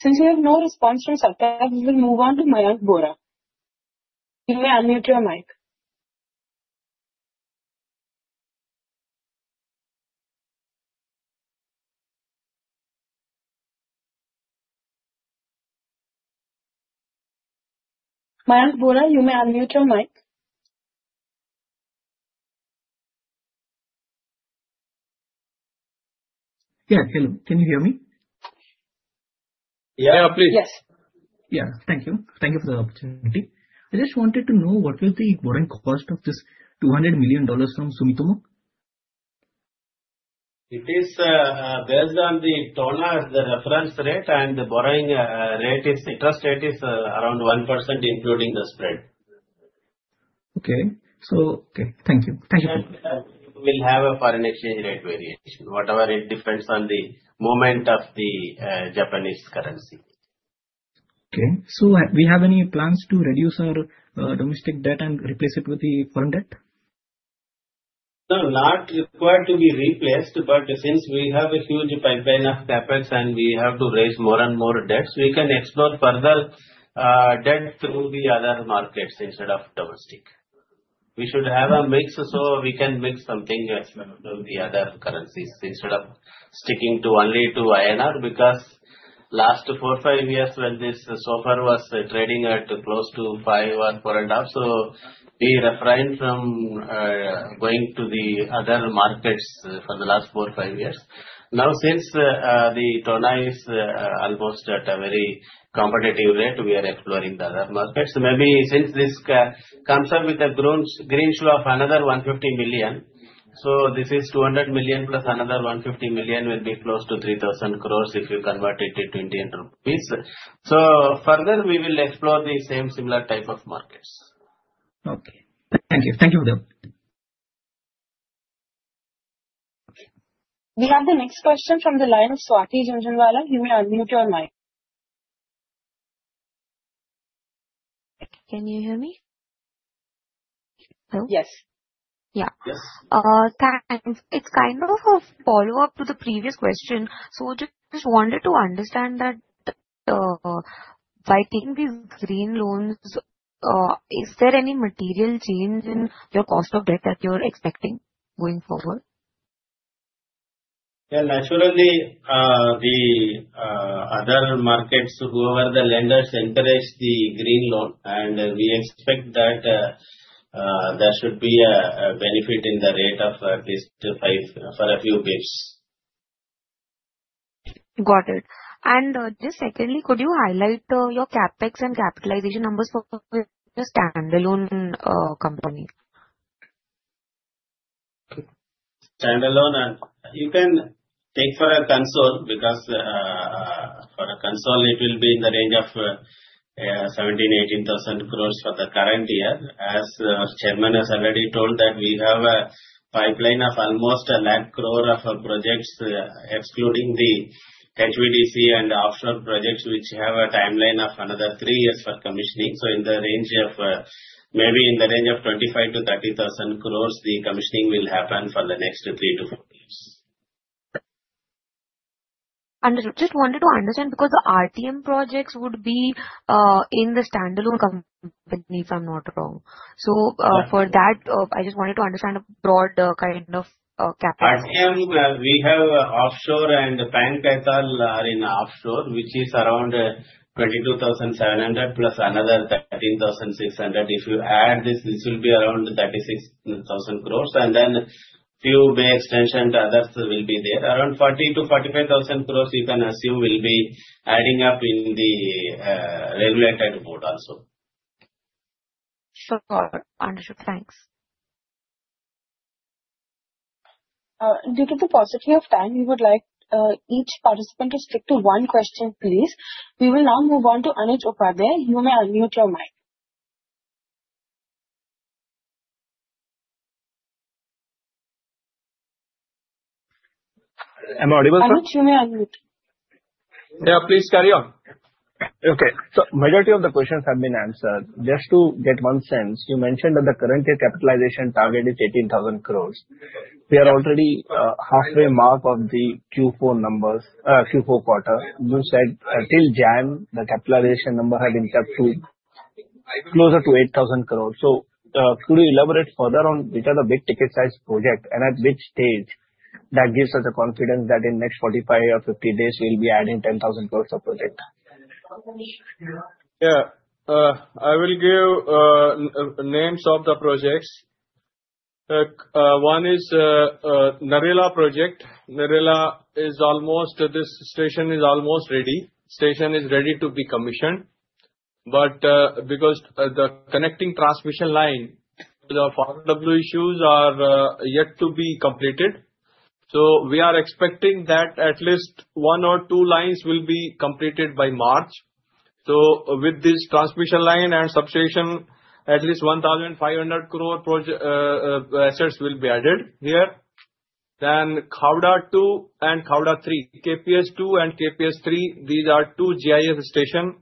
Since we have no response from Satya, we will move on to Mayank Bora. You may unmute your mic. Mayank Bora, you may unmute your mic. Yeah. Can you hear me? Yeah, please. Yes. Yeah. Thank you. Thank you for the opportunity. I just wanted to know what was the borrowing cost of this $200 million from Sumitomo? It is based on the TONA, the reference rate, and the borrowing rate is. Interest rate is around 1%, including the spread. Okay. Thank you for that. I have a foreign exchange rate variation, whatever it depends on the movement of the Japanese currency. Okay. So we have any plans to reduce our domestic debt and replace it with the foreign debt? Not required to be replaced, but since we have a huge pipeline of CapEx and we have to raise more and more debts, we can explore further debt through the other markets instead of domestic. We should have a mix so we can mix something else through the other currencies instead of sticking only to INR because last four, five years when the SOFR was trading at close to five or four and a half, so we refrained from going to the other markets for the last four, five years. Now, since the TONA is almost at a very competitive rate, we are exploring the other markets. Maybe since this comes up with a greenshoe of another $150 million, so this is $200 million plus another $150 million will be close to 3,000 crores if you convert it to Indian rupees. So further, we will explore the same similar type of markets. Okay. Thank you. Thank you, Dev. We have the next question from the line of Swati Jhunjhunwala. You may unmute your mic. Can you hear me? No? Yes. Yeah. Yes. It's kind of a follow-up to the previous question. So just wanted to understand that by taking these green loans, is there any material change in your cost of debt that you're expecting going forward? Yeah. Naturally, the other markets, whoever the lenders encourage the green loan, and we expect that there should be a benefit in the rate of at least five basis points or a few basis points. Got it. And just secondly, could you highlight your CapEx and capitalization numbers for your standalone company? Standalone, you can take for consolidated because for consolidated, it will be in the range of 17,000- 18,000 crores for the current year. As our chairman has already told that we have a pipeline of almost a lakh crore of projects, excluding the HVDC and offshore projects, which have a timeline of another three years for commissioning. So in the range of maybe in the range of 25,000-30,000 crores, the commissioning will happen for the next three to four years. And just wanted to understand because the RTM projects would be in the standalone company, if I'm not wrong. So for that, I just wanted to understand a broad kind of capitalization. RTM, we have offshore and Pang, Kathalguri are in offshore, which is around 22,700 plus another 13,600. If you add this, this will be around 36,000 crores. And then a few bay extension to others will be there. Around 40,000-45,000 crores, you can assume will be adding up in the regulated book also. Sure. Understood. Thanks. Due to the paucity of time, we would like each participant to stick to one question, please. We will now move on to Anuj Upadhyay. You may unmute your mic. I'm audible? Anuj, you may unmute. Yeah, please carry on. Okay. So majority of the questions have been answered. Just to get one sense, you mentioned that the current year capitalization target is 18,000 crores. We are already halfway mark of the Q4 numbers, Q4 quarter. You said till Jan, the capitalization number had been kept to closer to 8,000 crores. So could you elaborate further on which are the big ticket size projects and at which stage that gives us the confidence that in the next 45 or 50 days, we'll be adding 10,000 crores of project? Yeah. I will give names of the projects. One is Narela project. Narela is almost this station is almost ready. Station is ready to be commissioned. But because the connecting transmission line, the ROW issues are yet to be completed. We are expecting that at least one or two lines will be completed by March. So with this transmission line and substation, at least 1,500 crore assets will be added here. Then Khavda 2 and Khavda 3, KPS2 and KPS3, these are two GIS stations.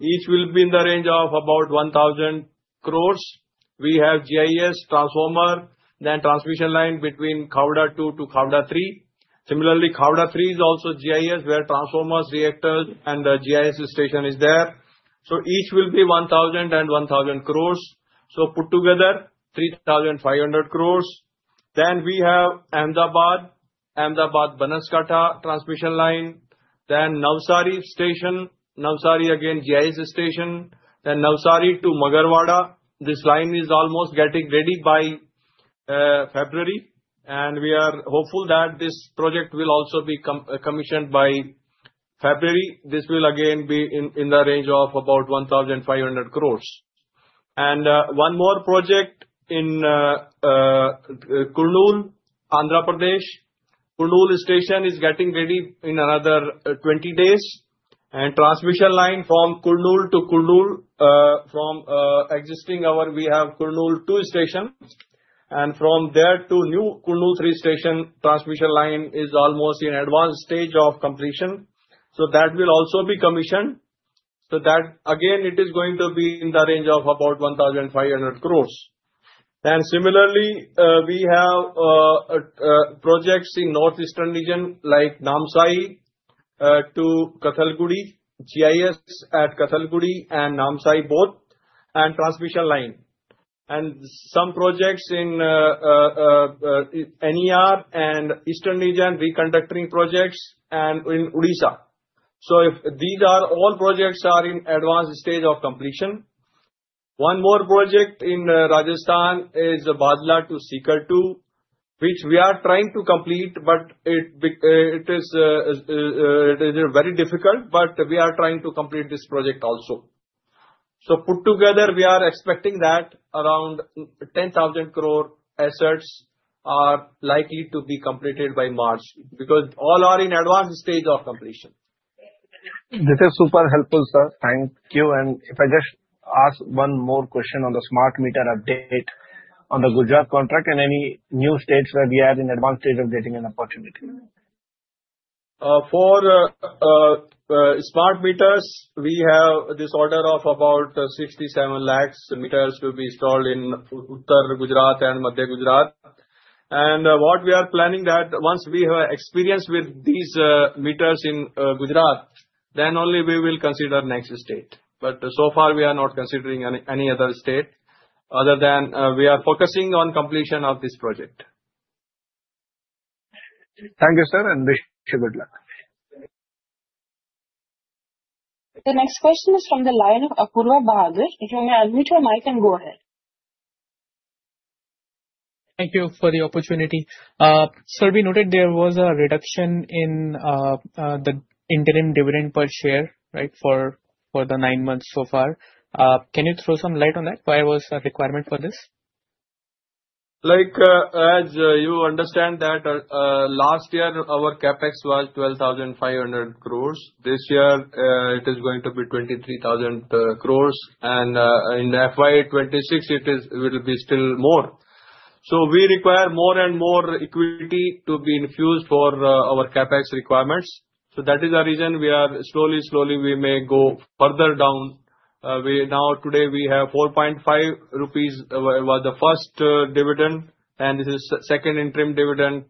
Each will be in the range of about 1,000 crores. We have GIS transformer, then transmission line between Khavda 2 to Khavda 3. Similarly, Khavda 3 is also GIS where transformers, reactors, and GIS station is there. So each will be 1,000 and 1,000 crores. So put together, 3,500 crores. Then we have Ahmedabad, Ahmedabad Banaskantha transmission line. Then Navsari station, Navsari again GIS station. Then Navsari to Magarwada. This line is almost getting ready by February, and we are hopeful that this project will also be commissioned by February. This will again be in the range of about 1,500 crores. One more project in Kurnool, Andhra Pradesh. Kurnool station is getting ready in another 20 days. Transmission line from Kurnool to Kurnool, from existing our, we have Kurnool 2 station. From there to new Kurnool 3 station transmission line is almost in advanced stage of completion. That will also be commissioned. That again, it is going to be in the range of about 1,500 crores. Similarly, we have projects in North Eastern Region like Namsai to Kathalguri, GIS at Kathalguri and Namsai both and transmission line. Some projects in NER and eastern region, reconductoring projects and in Odisha. If these projects are all in advanced stage of completion. One more project in Rajasthan is Bhadla to Sikar 2, which we are trying to complete, but it is very difficult, but we are trying to complete this project also. So put together, we are expecting that around 10,000 crore assets are likely to be completed by March because all are in advanced stage of completion. This is super helpful, sir. Thank you. And if I just ask one more question on the smart meter update on the Gujarat contract and any new states where we are in advanced stage of getting an opportunity? For smart meters, we have this order of about 67 lakhs meters to be installed in Uttar Gujarat and Madhya Gujarat. And what we are planning that once we have experience with these meters in Gujarat, then only we will consider next state. But so far, we are not considering any other state other than we are focusing on completion of this project. Thank you, sir, and wish you good luck. The next question is from the line of Apoorva Bahadur. If you may unmute your mic and go ahead. Thank you for the opportunity. Sir, we noted there was a reduction in the interim dividend per share, right, for the nine months so far. Can you throw some light on that? Why was the requirement for this? Like as you understand that last year, our CapEx was 12,500 crores. This year, it is going to be 23,000 crores. And in FY2026, it will be still more. So we require more and more equity to be infused for our CapEx requirements. So that is the reason we are slowly, slowly we may go further down. Now, today, we have 4.5 rupees was the first dividend, and this is second interim dividend,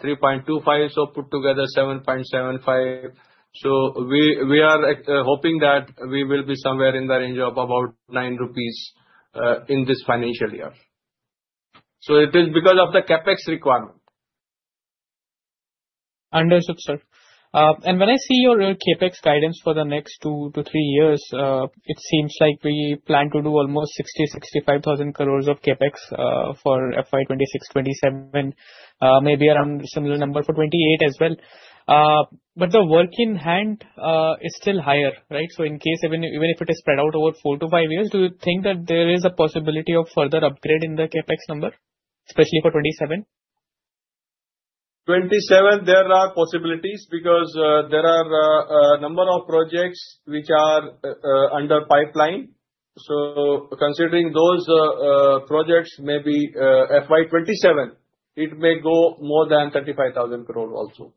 3.25. So put together, 7.75. So we are hoping that we will be somewhere in the range of about 9 rupees in this financial year. It is because of the CapEx requirement. Understood, sir. When I see your CapEx guidance for the next two to three years, it seems like we plan to do almost 60,000-65,000 crores of CapEx for FY2026, FY2027, maybe around similar number for FY2028 as well. But the work in hand is still higher, right? In case even if it is spread out over four to five years, do you think that there is a possibility of further upgrade in the CapEx number, especially for FY27? For FY27, there are possibilities because there are a number of projects which are under pipeline. Considering those projects, maybe FY2027, it may go more than 35,000 crores also.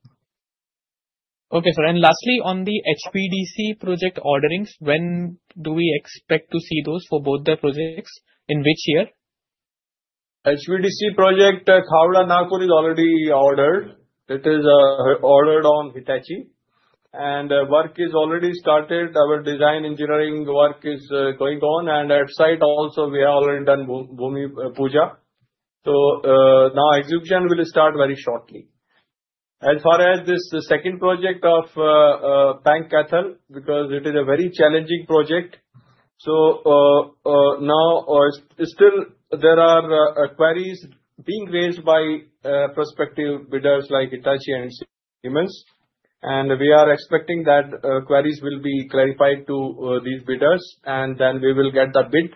Okay, sir. Lastly, on the HVDC project orderings, when do we expect to see those for both the projects in which year? HVDC project Khavda-Nagpur is already ordered.It is ordered on Hitachi. And work is already started. Our design engineering work is going on. And at site also, we have already done Bhoomi Puja. So now execution will start very shortly. As far as this second project of Pang-Leh, because it is a very challenging project. So now still there are queries being raised by prospective bidders like Hitachi and Siemens. And we are expecting that queries will be clarified to these bidders. And then we will get the bid.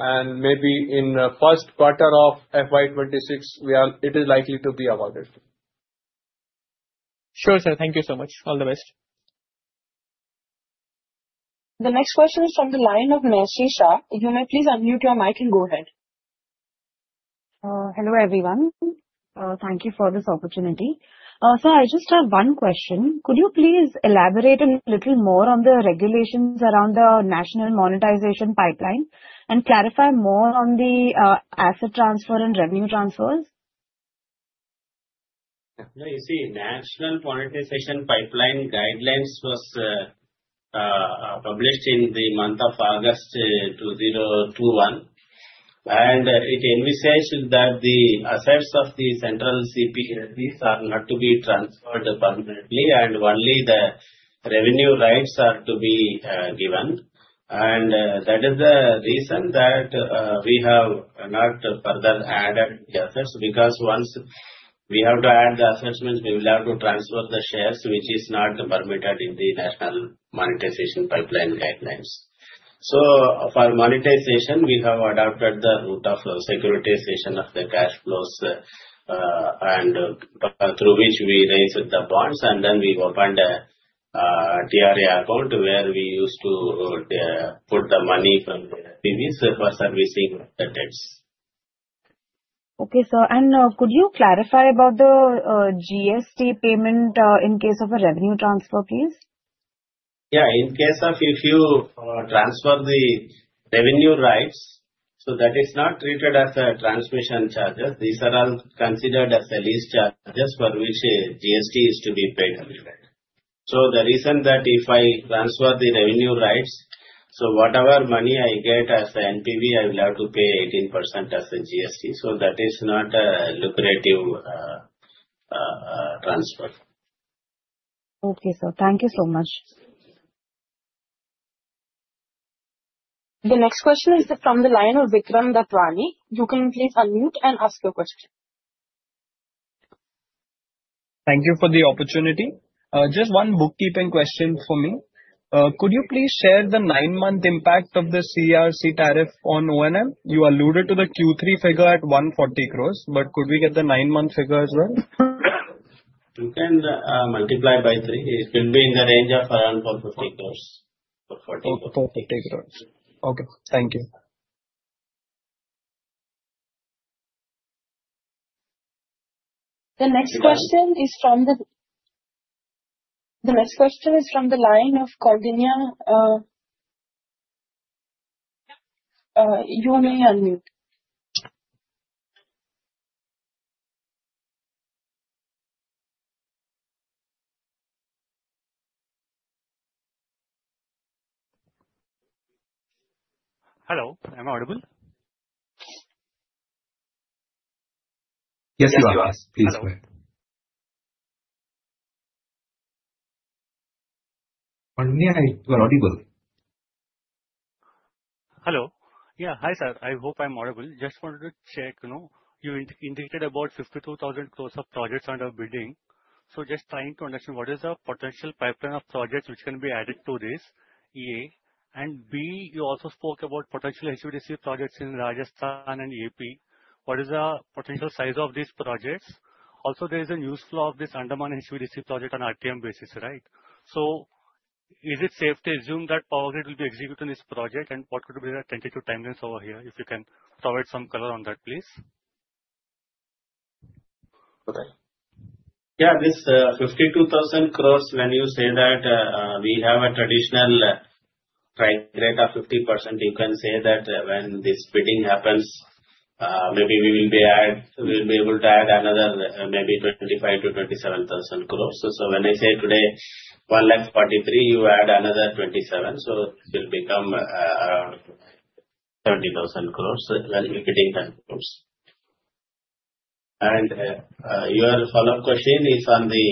And maybe in the first quarter of FY2026, it is likely to be awarded. Sure, sir. Thank you so much. All the best. The next question is from the line of Narshi Shah. You may please unmute your mic and go ahead. Hello everyone. Thank you for this opportunity. Sir, I just have one question. Could you please elaborate a little more on the regulations around the National Monetization Pipeline and clarify more on the asset transfer and revenue transfers? You see, National Monetization Pipeline guidelines was published in the month of August 2021, and it envisaged that the assets of the central CPSEs are not to be transferred permanently, and only the revenue rights are to be given. And that is the reason that we have not further added the assets because once we have to add the assets, we will have to transfer the shares, which is not permitted in the National Monetization Pipeline guidelines. So for monetization, we have adopted the route of securitization of the cash flows through which we raise the bonds. And then we opened a TRA account where we used to put the money from the SPVs for servicing the debts. Okay. Could you clarify about the GST payment in case of a revenue transfer, please? Yeah. In case of if you transfer the revenue rights, so that it's not treated as a transmission charges, these are all considered as lease charges for which GST is to be paid. So the reason that if I transfer the revenue rights, so whatever money I get as an NPV, I will have to pay 18% as a GST. So that is not a lucrative transfer. Okay. So thank you so much. The next question is from the line of Vikram Datwani. You can please unmute and ask your question. Thank you for the opportunity. Just one bookkeeping question for me. Could you please share the nine-month impact of the CRC tariff on ONM? You alluded to the Q3 figure at 140 crores, but could we get the nine-month figure as well? You can multiply by three. It will be in the range of around 450 crores. 440 crores. Okay. Thank you. The next question is from the line of Kauginya. You may unmute. Hello. I'm audible? Yes, you are. Please go ahead. Hello. Yeah. Hi, sir. I hope I'm audible. Just wanted to check. You indicated about 52,000 crores of projects under bidding. So just trying to understand what is the potential pipeline of projects which can be added to this. And B, you also spoke about potential HVDC projects in Rajasthan and AP. What is the potential size of these projects? Also, there is a news flow of this upcoming HVDC project on RTM basis, right? So is it safe to assume that Power Grid will execute this project? And what could be the tentative timelines over here? If you can provide some color on that, please. Okay. Yeah. This 52,000 crores, when you say that we have a traditional rate of 50%, you can say that when this bidding happens, maybe we will be able to add another maybe 25,000-27,000 crores. So when I say today 143,000, you add another 27,000. So it will become around 20,000 crores when we're bidding 10 crores. And your follow-up question is on the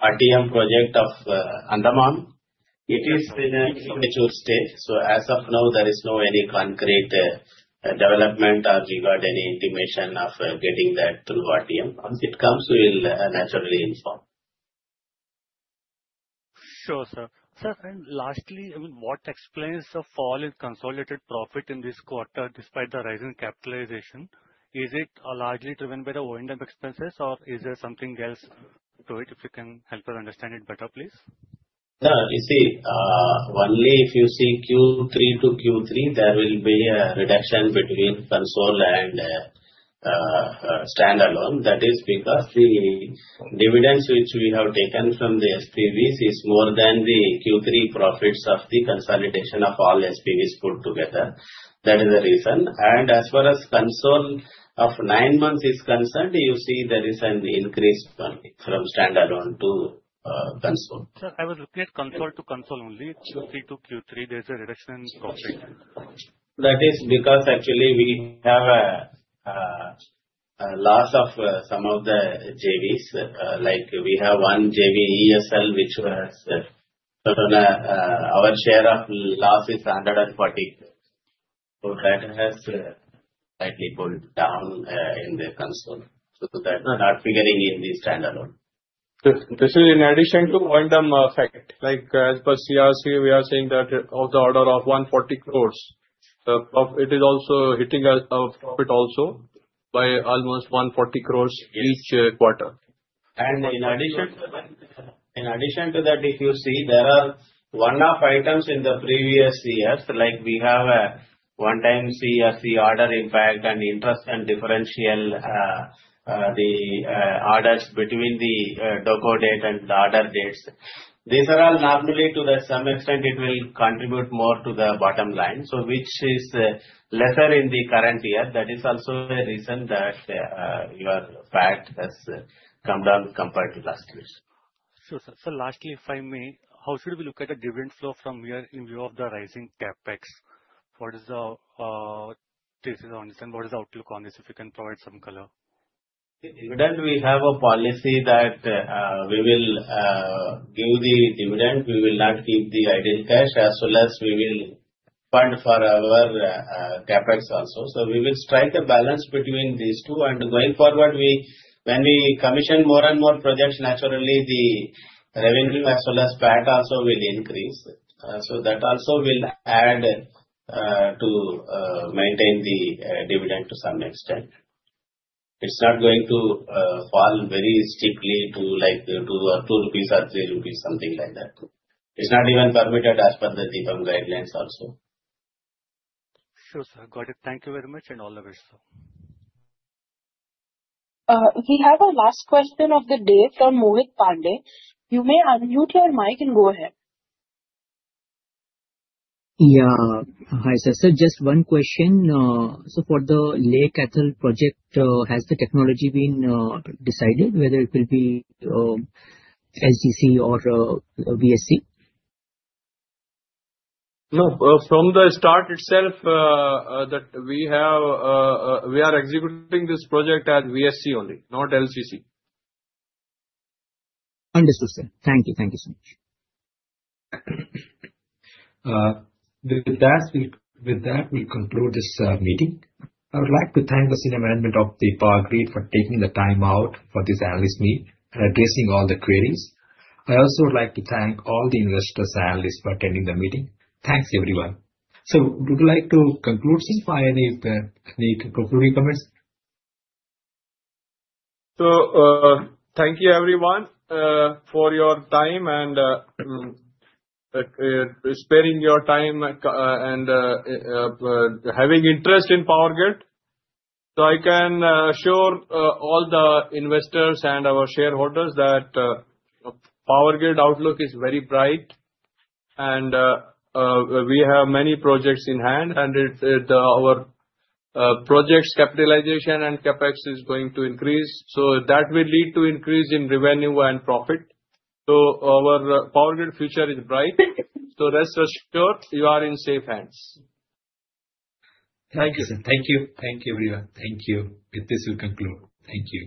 RTM project of Andaman. It is in a formative state. So as of now, there is no any concrete development or we got any intimation of getting that through RTM. Once it comes, we will naturally inform. Sure, sir. Sir, and lastly, I mean, what explains the fall in consolidated profit in this quarter despite the rising capitalization? Is it largely driven by the O&M expenses, or is there something else to it? If you can help us understand it better, please. You see, only if you see Q3 to Q3, there will be a reduction between consolidated and standalone. That is because the dividends which we have taken from the SPVs is more than the Q3 profits of the consolidation of all SPVs put together. That is the reason. As far as consolidated of nine months is concerned, you see there is an increase from standalone to consolidated. Sir, I was looking at consolidated to consolidated only. Q3 to Q3, there's a reduction in profit. That is because actually we have a loss of some of the JVs. Like we have one JV EESL, which was our share of loss is 140 crores. So that has slightly pulled down in the consolidated. So that's not figuring in the standalone. This is in addition to O&M effect. Like, as per CRC, we are saying that of the order of 140 crores, it is also hitting a profit also by almost 140 crores each quarter. And in addition to that, if you see, there are one-off items in the previous years, like we have a one-time CRC order impact and interest and differential, the orders between the COD date and the order dates. These are all normally to some extent it will contribute more to the bottom line. So which is lesser in the current year. That is also a reason that your PAT has come down compared to last year. Sure, sir. So lastly, if I may, how should we look at the dividend flow from here in view of the rising CapEx? What is the thesis on this? And what is the outlook on this if you can provide some color? Dividend, we have a policy that we will give the dividend. We will not keep the idle cash as well as we will fund for our CapEx also. So we will strike a balance between these two. And going forward, when we commission more and more projects, naturally the revenue as well as PAT also will increase. So that also will add to maintain the dividend to some extent. It's not going to fall very steeply to like 2 rupees or 3 rupees, something like that. It's not even permitted as per the DIPAM guidelines also. Sure, sir. Got it. Thank you very much and all the best, sir. We have a last question of the day from Mohit Pande. You may unmute your mic and go ahead. Yeah. Hi, sir. Sir, just one question. So for the Pang-Leh project, has the technology been decided whether it will be LCC or VSC? No. From the start itself that we are executing this project as VSC only, not LCC. Understood, sir. Thank you. Thank you so much. With that, we'll conclude this meeting. I would like to thank the senior management of the Power Grid for taking the time out for this analyst meet and addressing all the queries. I also would like to thank all the investors and analysts for attending the meeting. Thanks, everyone. So would you like to conclude? See if I have any need to conclude any comments? So thank you, everyone, for your time and sparing your time and having interest in Power Grid. So I can assure all the investors and our shareholders that Power Grid outlook is very bright. And we have many projects in hand, and our projects capitalization and CapEx is going to increase. So that will lead to increase in revenue and profit. So our Power Grid future is bright. So rest assured, you are in safe hands. Thank you, sir. Thank you. Thank you, everyone. Thank you. With this, we'll conclude. Thank you.